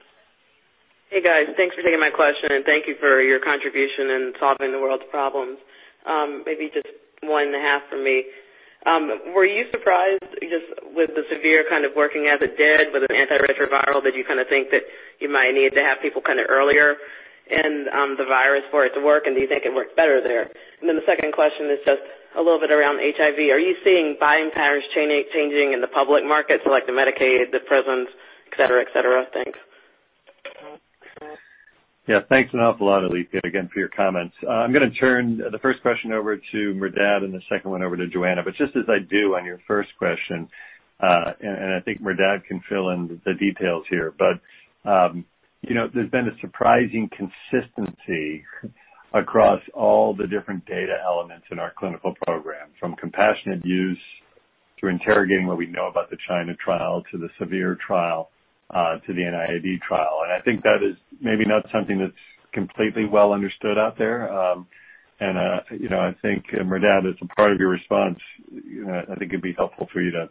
Hey, guys. Thanks for taking my question, and thank you for your contribution in solving the world's problems. Maybe just one and a half from me. Were you surprised just with the SIMPLE-Severe kind of working as it did with an antiretroviral that you kind of think that you might need to have people kind of earlier in the virus for it to work, and do you think it worked better there? The second question is just a little bit around HIV. Are you seeing buying patterns changing in the public market, so like the Medicaid, the prisons, et cetera? Thanks. Thanks an awful lot, Alethia, again for your comments. I'm going to turn the first question over to Merdad and the second one over to Johanna. Just as I do on your first question and I think Merdad can fill in the details here. There's been a surprising consistency across all the different data elements in our clinical program from compassionate use to interrogating what we know about the China trial to the SIMPLE-Severe trial to the NIAID trial. I think that is maybe not something that's completely well understood out there. I think Merdad as a part of your response, I think it'd be helpful for you to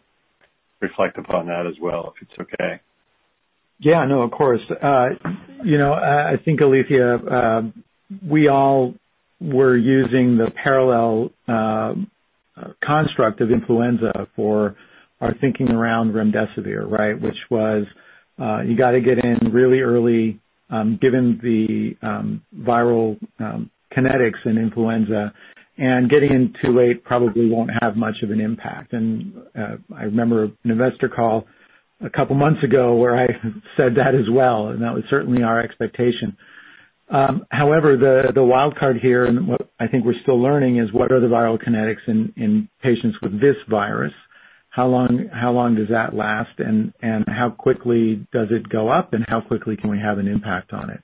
reflect upon that as well, if it's okay. Yeah. No, of course. I think Alethia we all were using the parallel construct of influenza for our thinking around remdesivir, right? Which was you got to get in really early given the viral kinetics in influenza, and getting in too late probably won't have much of an impact. I remember an investor call a couple of months ago where I said that as well, and that was certainly our expectation. However, the wild card here and what I think we're still learning is what are the viral kinetics in patients with this virus. How long does that last, and how quickly does it go up, and how quickly can we have an impact on it?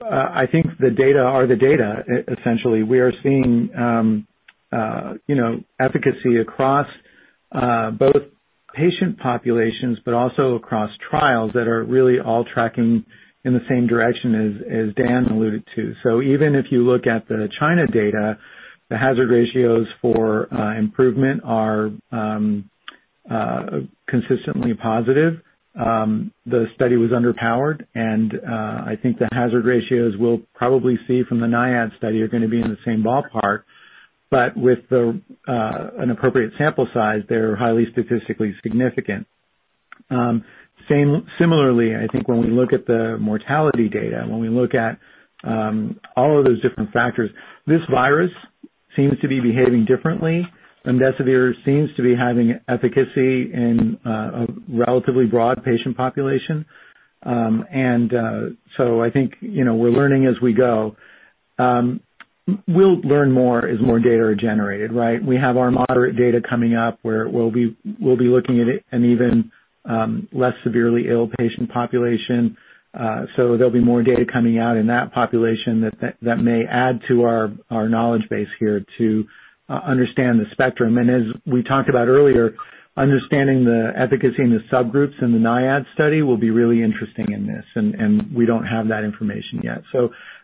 I think the data are the data, essentially. We are seeing efficacy across both patient populations, but also across trials that are really all tracking in the same direction as Dan alluded to. Even if you look at the China data, the hazard ratios for improvement are consistently positive. The study was underpowered, and I think the hazard ratios we'll probably see from the NIAID study are going to be in the same ballpark. With an appropriate sample size, they're highly statistically significant. Similarly, I think when we look at the mortality data, when we look at all of those different factors, this virus seems to be behaving differently. Remdesivir seems to be having efficacy in a relatively broad patient population. I think we're learning as we go. We'll learn more as more data are generated, right? We have our moderate data coming up where we'll be looking at an even less severely ill patient population. There'll be more data coming out in that population that may add to our knowledge base here to understand the spectrum. As we talked about earlier, understanding the efficacy in the subgroups in the NIAID study will be really interesting in this, and we don't have that information yet.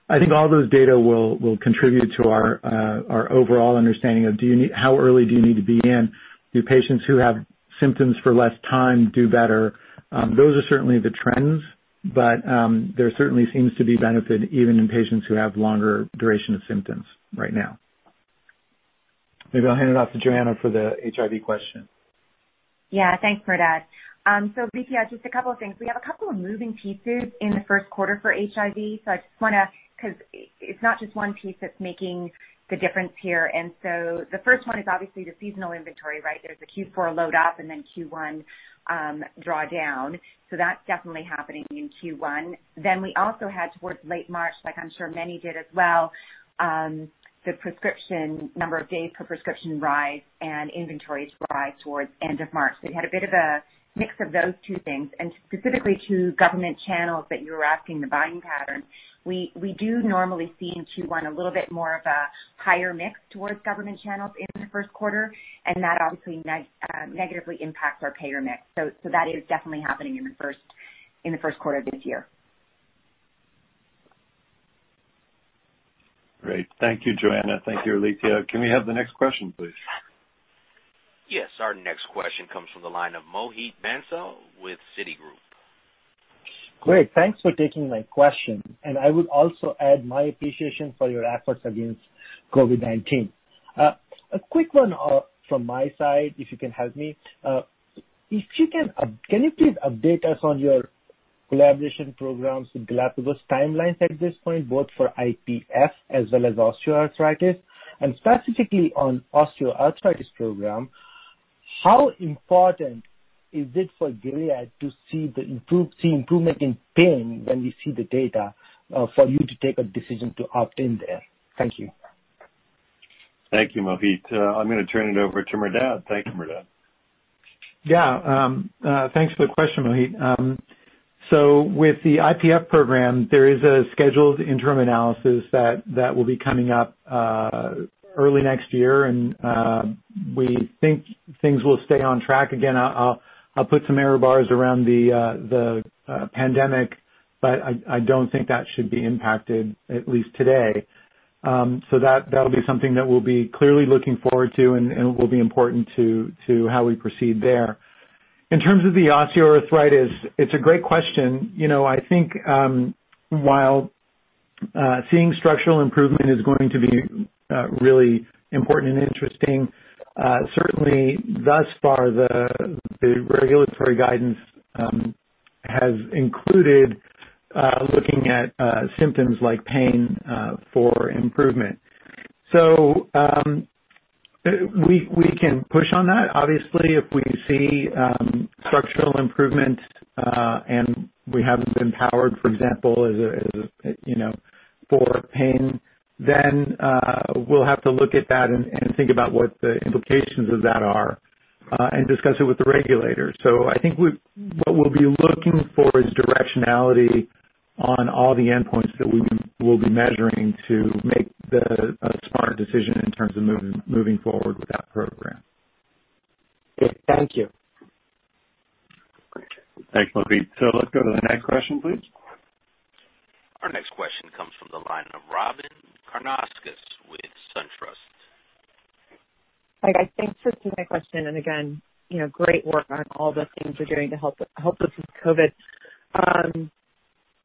I think all those data will contribute to our overall understanding of how early do you need to be in. Do patients who have symptoms for less time do better? Those are certainly the trends, there certainly seems to be benefit even in patients who have longer duration of symptoms right now. Maybe I'll hand it off to Johanna for the HIV question. Thanks, Merdad. Alethia, just a couple of things. We have a couple of moving pieces in the first quarter for HIV, so I just want to because it's not just one piece that's making the difference here. The first one is obviously the seasonal inventory, right? There's a Q4 load up and then Q1 drawdown. That's definitely happening in Q1. We also had towards late March like I'm sure many did as well the prescription number of days per prescription rise and inventories rise towards end of March. We had a bit of a mix of those two things and specifically to government channels that you were asking the buying pattern. We do normally see in Q1 a little bit more of a higher mix towards government channels in the first quarter, and that obviously negatively impacts our payer mix. That is definitely happening in the first quarter of this year. Great. Thank you, Johanna. Thank you, Alethia. Can we have the next question, please? Yes. Our next question comes from the line of Mohit Bansal with Citigroup. Great. Thanks for taking my question, and I would also add my appreciation for your efforts against COVID-19. A quick one from my side, if you can help me. Can you please update us on your collaboration programs with Galapagos timelines at this point, both for IPF as well as osteoarthritis? Specifically on osteoarthritis program, how important is it for Gilead to see improvement in pain when we see the data for you to take a decision to opt in there? Thank you. Thank you, Mohit. I'm going to turn it over to Merdad. Thank you, Merdad. Thanks for the question, Mohit. With the IPF program, there is a scheduled interim analysis that will be coming up early next year, and we think things will stay on track. Again, I'll put some error bars around the pandemic, but I don't think that should be impacted, at least today. That'll be something that we'll be clearly looking forward to and will be important to how we proceed there. In terms of the osteoarthritis, it's a great question. I think while seeing structural improvement is going to be really important and interesting, certainly thus far, the regulatory guidance has included looking at symptoms like pain for improvement. We can push on that. Obviously, if we see structural improvement and we haven't been powered, for example, for pain, then we'll have to look at that and think about what the implications of that are, and discuss it with the regulators. I think what we'll be looking for is directionality on all the endpoints that we'll be measuring to make a smart decision in terms of moving forward with that program. Great. Thank you. Thanks, Mohit. Let's go to the next question, please. Our next question comes from the line of Robyn Karnauskas with SunTrust. Hi, guys. Thanks for taking my question. Again, great work on all the things you're doing to help us with COVID-19.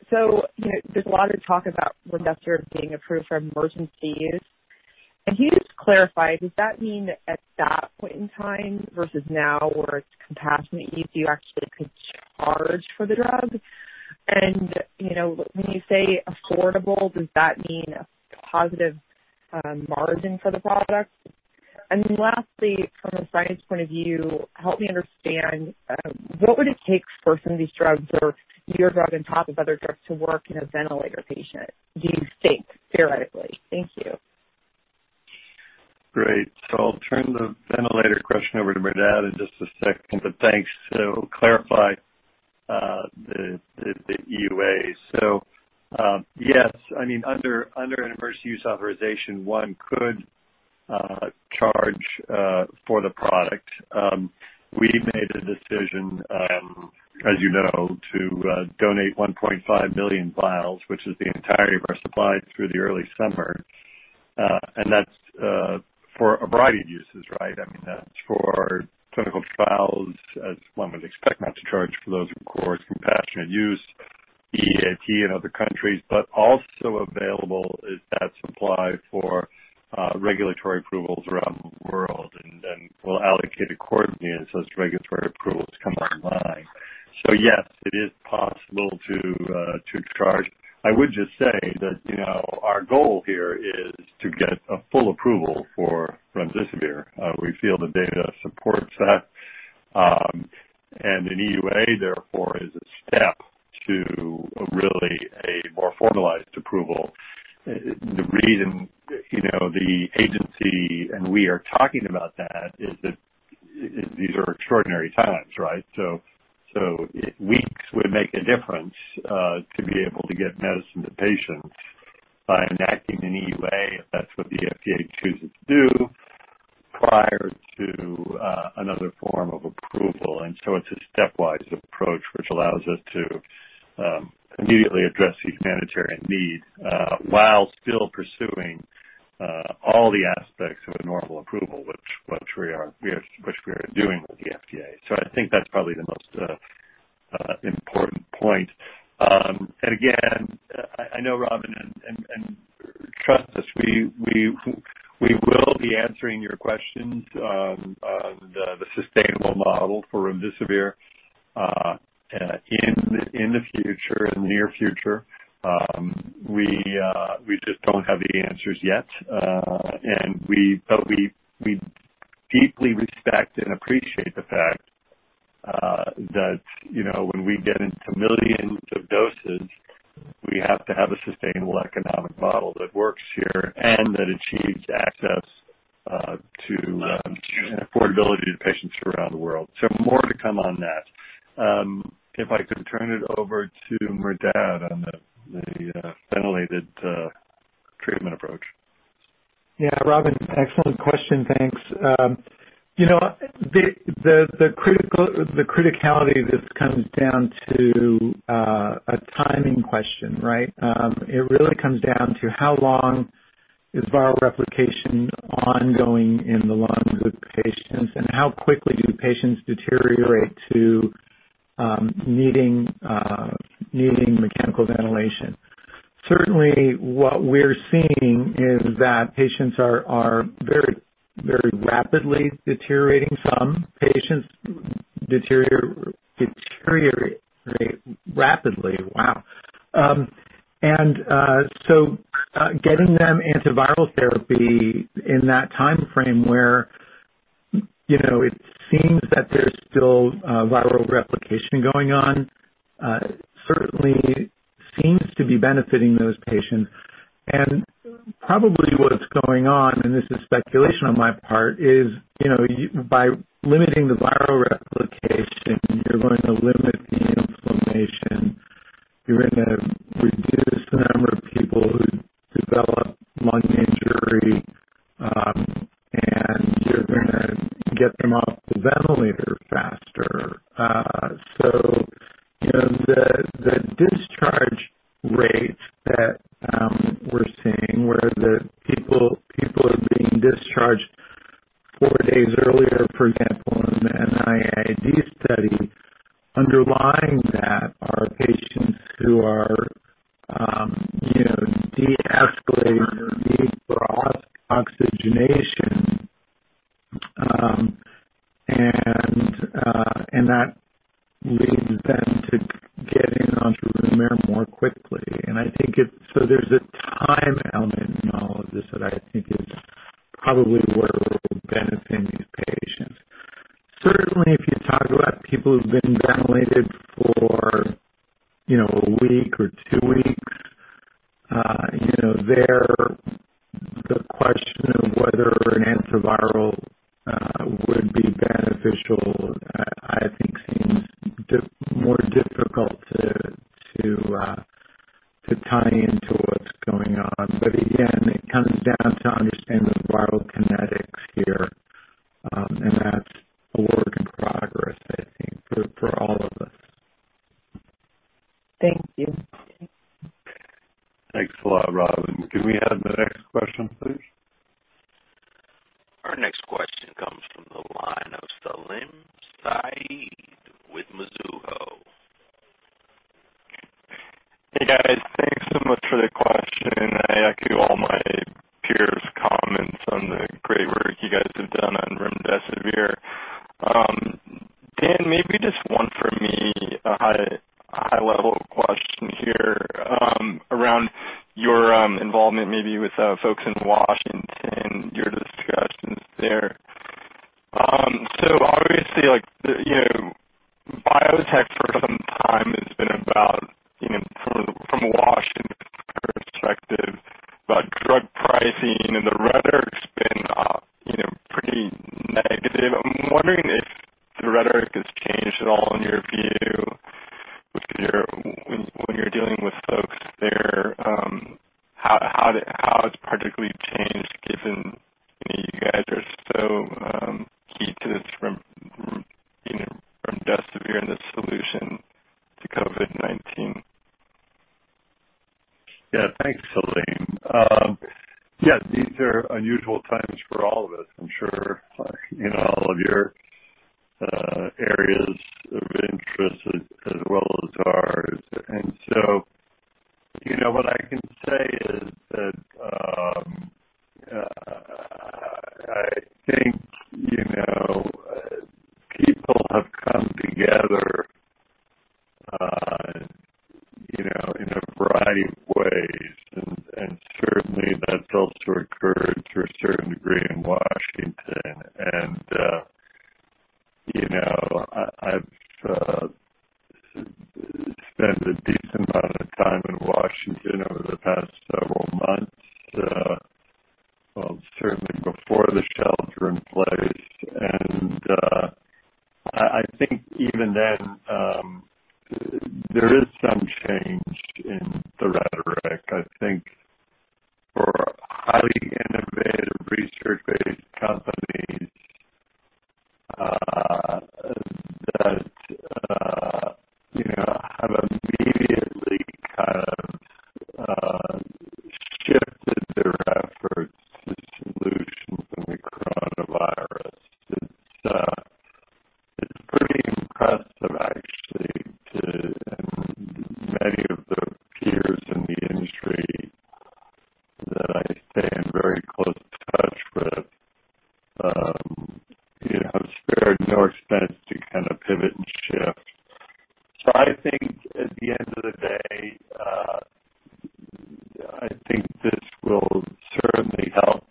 There's a lot of talk about remdesivir being approved for emergency use. Can you just clarify, does that mean that at that point in time versus now where it's compassionate use, you actually could charge for the drug? When you say affordable, does that mean a positive margin for the product? Lastly, from a science point of view, help me understand, what would it take for some of these drugs, or your drug on top of other drugs to work in a ventilator patient? Do you think, theoretically? Thank you. Great. I'll turn the ventilator question over to Merdad in just a second, but thanks. Clarify the EUA. Yes, under an emergency use authorization, one could charge for the product. We made a decision, as you know, to donate 1.5 million vials, which is the entirety of our supply through the early summer. That's for a variety of uses. That's for clinical trials, as one would expect not to charge for those, of course, compassionate use, EAP in other countries, but also available is that supply for regulatory approvals around the world, then we'll allocate accordingly as those regulatory approvals come online. Yes, it is possible to charge. I would just say that our goal here is to get a full approval for remdesivir. We feel the data supports that. An EUA, therefore, is a step to really a more formalized approval. The reason the agency and we are talking about that is that these are extraordinary times. Weeks would make a difference to be able to get medicine to patients by enacting an EUA, if that's what the FDA chooses to do, prior to another form of approval. It's a stepwise approach, which allows us to immediately address the humanitarian need while still pursuing all the aspects of a normal approval, which we are doing with the FDA. I think that's probably the most important point. Again, I know Robyn, and trust us, we will be answering your questions on the sustainable model for remdesivir in the near future. We just don't have the answers yet. We deeply respect and appreciate the fact that when we get into millions of doses, we have to have a sustainable economic model that works here and that achieves access to and affordability to patients around the world. More to come on that. If I could turn it over to Merdad on the ventilated treatment approach. Yeah, Robyn, excellent question. Thanks. The criticality of this comes down to a timing question, right? It really comes down to how long is viral replication ongoing in the lungs of patients, and how quickly do patients deteriorate to needing mechanical ventilation. Certainly, what we're seeing is that patients are very rapidly deteriorating. Some patients deteriorate rapidly. Wow. Getting them antiviral therapy in that timeframe where it seems that there's still viral replication going on certainly seems to be benefiting those patients. Probably what's going on, and this is speculation on my part, is by limiting the viral replication, you're going to limit the inflammation, you're going to reduce the number of people who develop lung injury, and you're going to get them off the ventilator faster. The discharge rates I think this will certainly help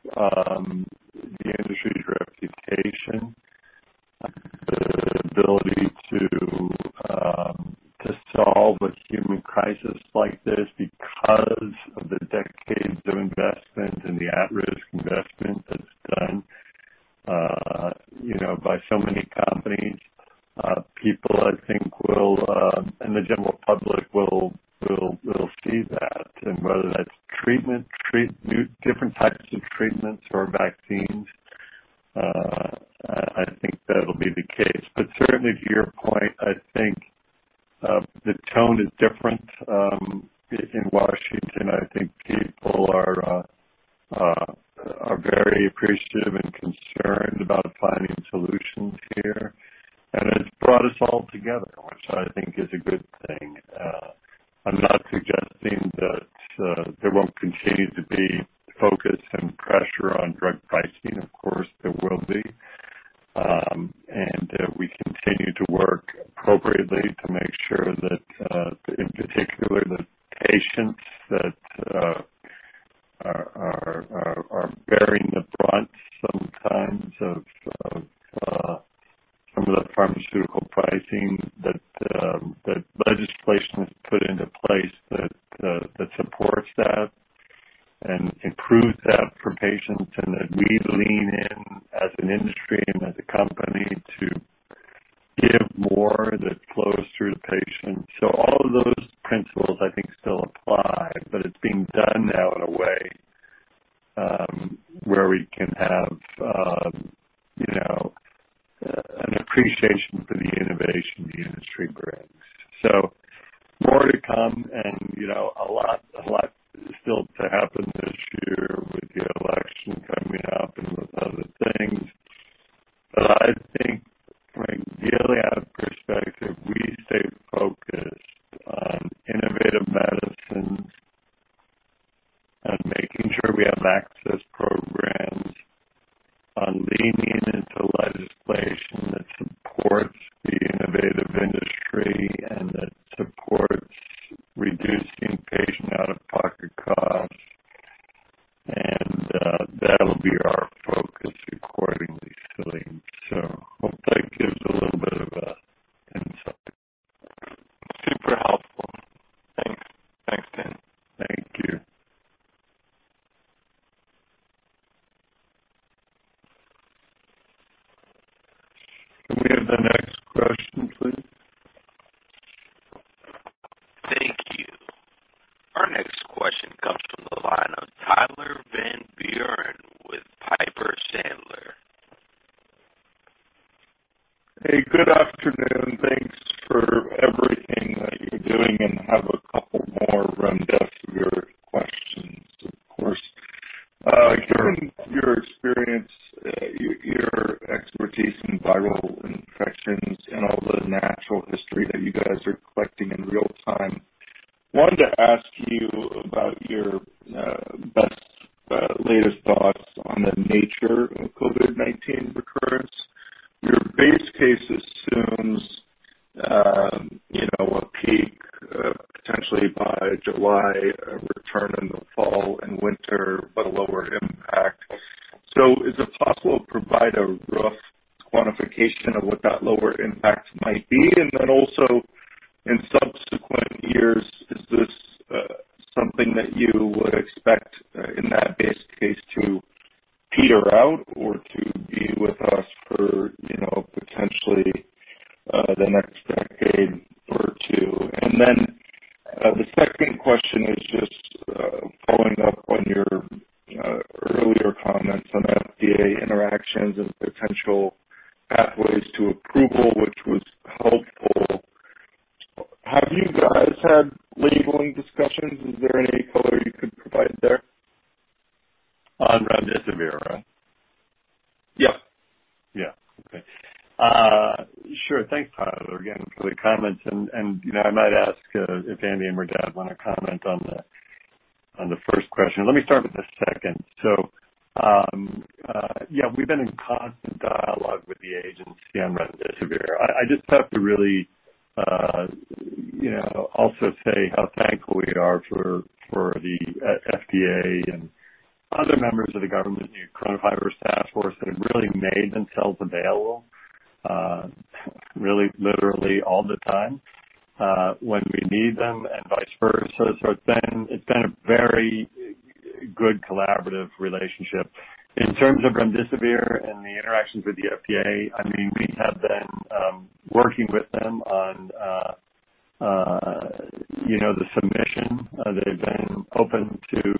the submission. They've been open to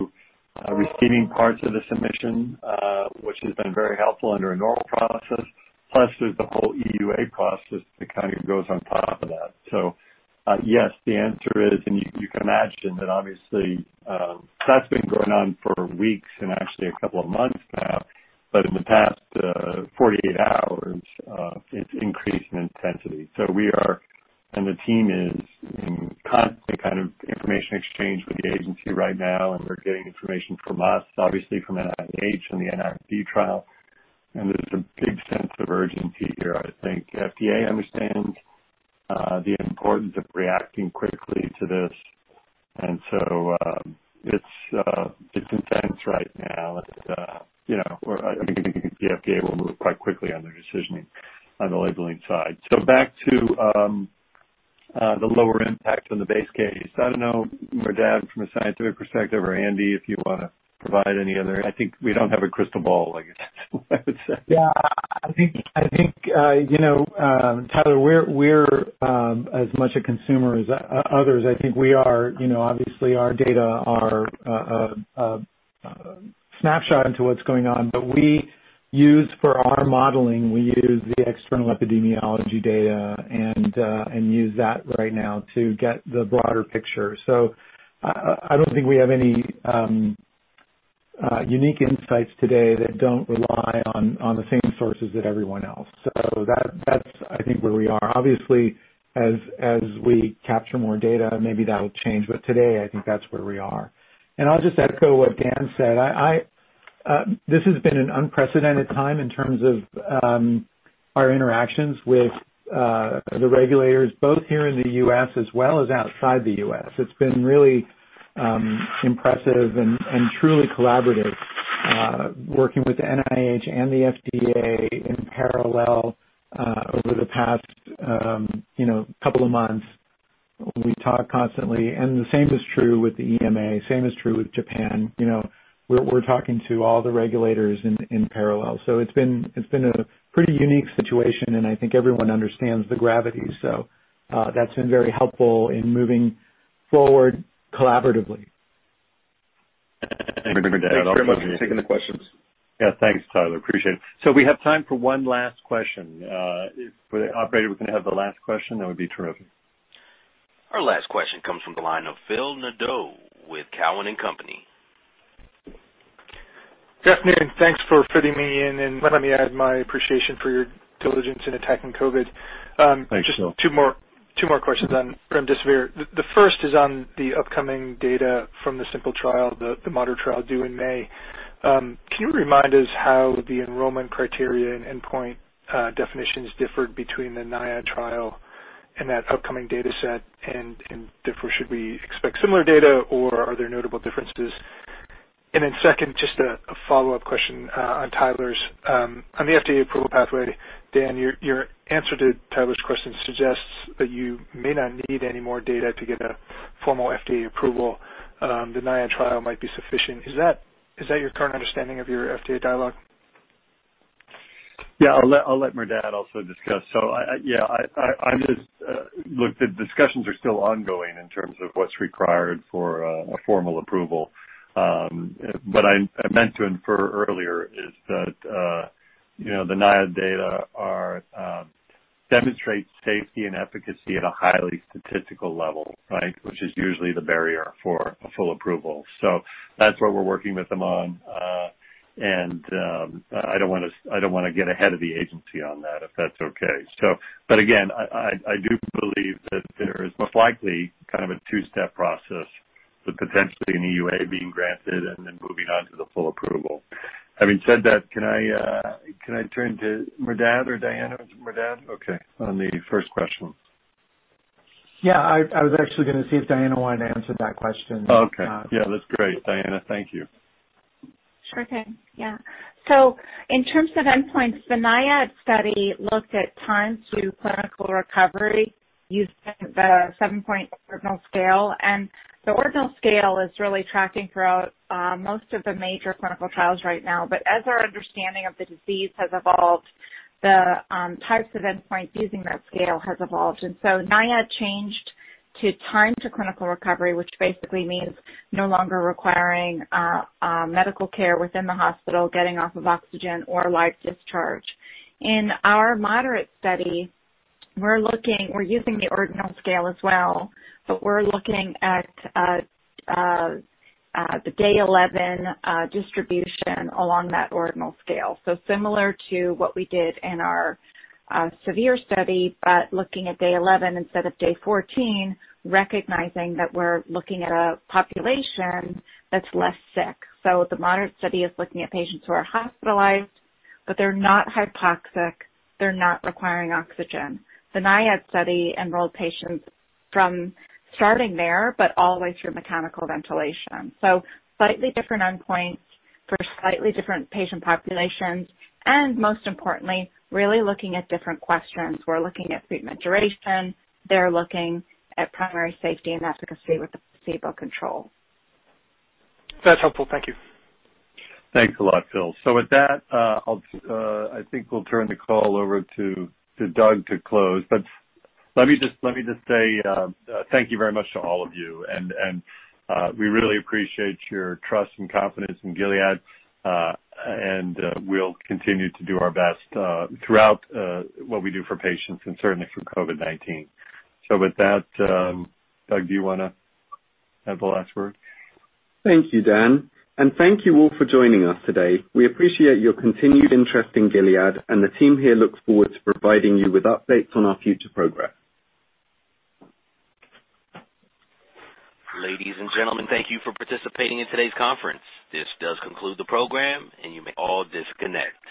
receiving parts of the submission, which has been very helpful under a normal process. Plus, there's the whole EUA process that kind of goes on top of that. Yes, the answer is, and you can imagine that obviously, that's been going on for weeks and actually a couple of months now. In the past 48 hours, it's increased in intensity. We are, and the team is in constant kind of information exchange with the agency right now, and they're getting information from us, obviously from NIH and the NIAID trial. There's a big sense of urgency here. I think FDA understands the importance of reacting quickly to this, and so it's intense right now. I think the FDA will move quite quickly on their decisioning on the labeling side. The lower impact on the base case. I don't know, Merdad, from a scientific perspective, or Andy, if you want to provide any other. I think we don't have a crystal ball, I guess I would say. Yeah. I think, Tyler, we're as much a consumer as others. I think obviously our data are a snapshot into what's going on. For our modeling, we use the external epidemiology data and use that right now to get the broader picture. I don't think we have any unique insights today that don't rely on the same sources that everyone else. That's I think where we are. Obviously, as we capture more data, maybe that'll change. Today, I think that's where we are. I'll just echo what Dan said. This has been an unprecedented time in terms of our interactions with the regulators, both here in the U.S. as well as outside the U.S. It's been really impressive and truly collaborative working with NIH and the FDA in parallel over the past couple of months. We talk constantly. The same is true with the EMA. Same is true with Japan. We're talking to all the regulators in parallel. It's been a pretty unique situation, and I think everyone understands the gravity. That's been very helpful in moving forward collaboratively. Thanks very much for taking the questions. Yeah, thanks, Tyler. Appreciate it. We have time for one last question. If, Operator, we can have the last question, that would be terrific. Our last question comes from the line of Phil Nadeau with Cowen and Company. Good afternoon. Thanks for fitting me in, and let me add my appreciation for your diligence in attacking COVID. Thanks, Phil. Just two more questions on remdesivir. The first is on the upcoming data from the SIMPLE trial, the moderate trial due in May. Can you remind us how the enrollment criteria and endpoint definitions differed between the NIAID trial and that upcoming data set? Therefore, should we expect similar data, or are there notable differences? Then second, just a follow-up question on Tyler's on the FDA approval pathway. Dan, your answer to Tyler's question suggests that you may not need any more data to get a formal FDA approval. The NIAID trial might be sufficient. Is that your current understanding of your FDA dialogue? Yeah, I'll let Merdad also discuss. Yeah, look, the discussions are still ongoing in terms of what's required for a formal approval. What I meant to infer earlier is that the NIAID data demonstrate safety and efficacy at a highly statistical level, which is usually the barrier for a full approval. That's what we're working with them on. I don't want to get ahead of the agency on that, if that's okay. Again, I do believe that there is most likely kind of a two-step process with potentially an EUA being granted and then moving on to the full approval. Having said that, can I turn to Merdad or Diana? Merdad? Okay. On the first question. Yeah, I was actually going to see if Diana wanted to answer that question. Okay. Yeah, that's great, Diana. Thank you. Sure thing. Yeah. In terms of endpoints, the NIAID study looked at time to clinical recovery using the seven-point ordinal scale. The ordinal scale is really tracking throughout most of the major clinical trials right now. As our understanding of the disease has evolved, the types of endpoints using that scale has evolved. NIAID changed to time to clinical recovery, which basically means no longer requiring medical care within the hospital, getting off of oxygen or live discharge. In our moderate study, we're using the ordinal scale as well, but we're looking at the day 11 distribution along that ordinal scale. Similar to what we did in our severe study, but looking at day 11 instead of day 14, recognizing that we're looking at a population that's less sick. The moderate study is looking at patients who are hospitalized, but they're not hypoxic. They're not requiring oxygen. The NIAID study enrolled patients from starting there but all the way through mechanical ventilation. Slightly different endpoints for slightly different patient populations, and most importantly, really looking at different questions. We're looking at treatment duration. They're looking at primary safety and efficacy with the placebo control. That's helpful. Thank you. Thanks a lot, Phil. With that I think we'll turn the call over to Doug to close. Let me just say thank you very much to all of you. We really appreciate your trust and confidence in Gilead. We'll continue to do our best throughout what we do for patients and certainly for COVID-19. With that Doug, do you want to have the last word? Thank you, Dan. Thank you all for joining us today. We appreciate your continued interest in Gilead, and the team here looks forward to providing you with updates on our future progress. Ladies and gentlemen, thank you for participating in today's conference. This does conclude the program, and you may all disconnect.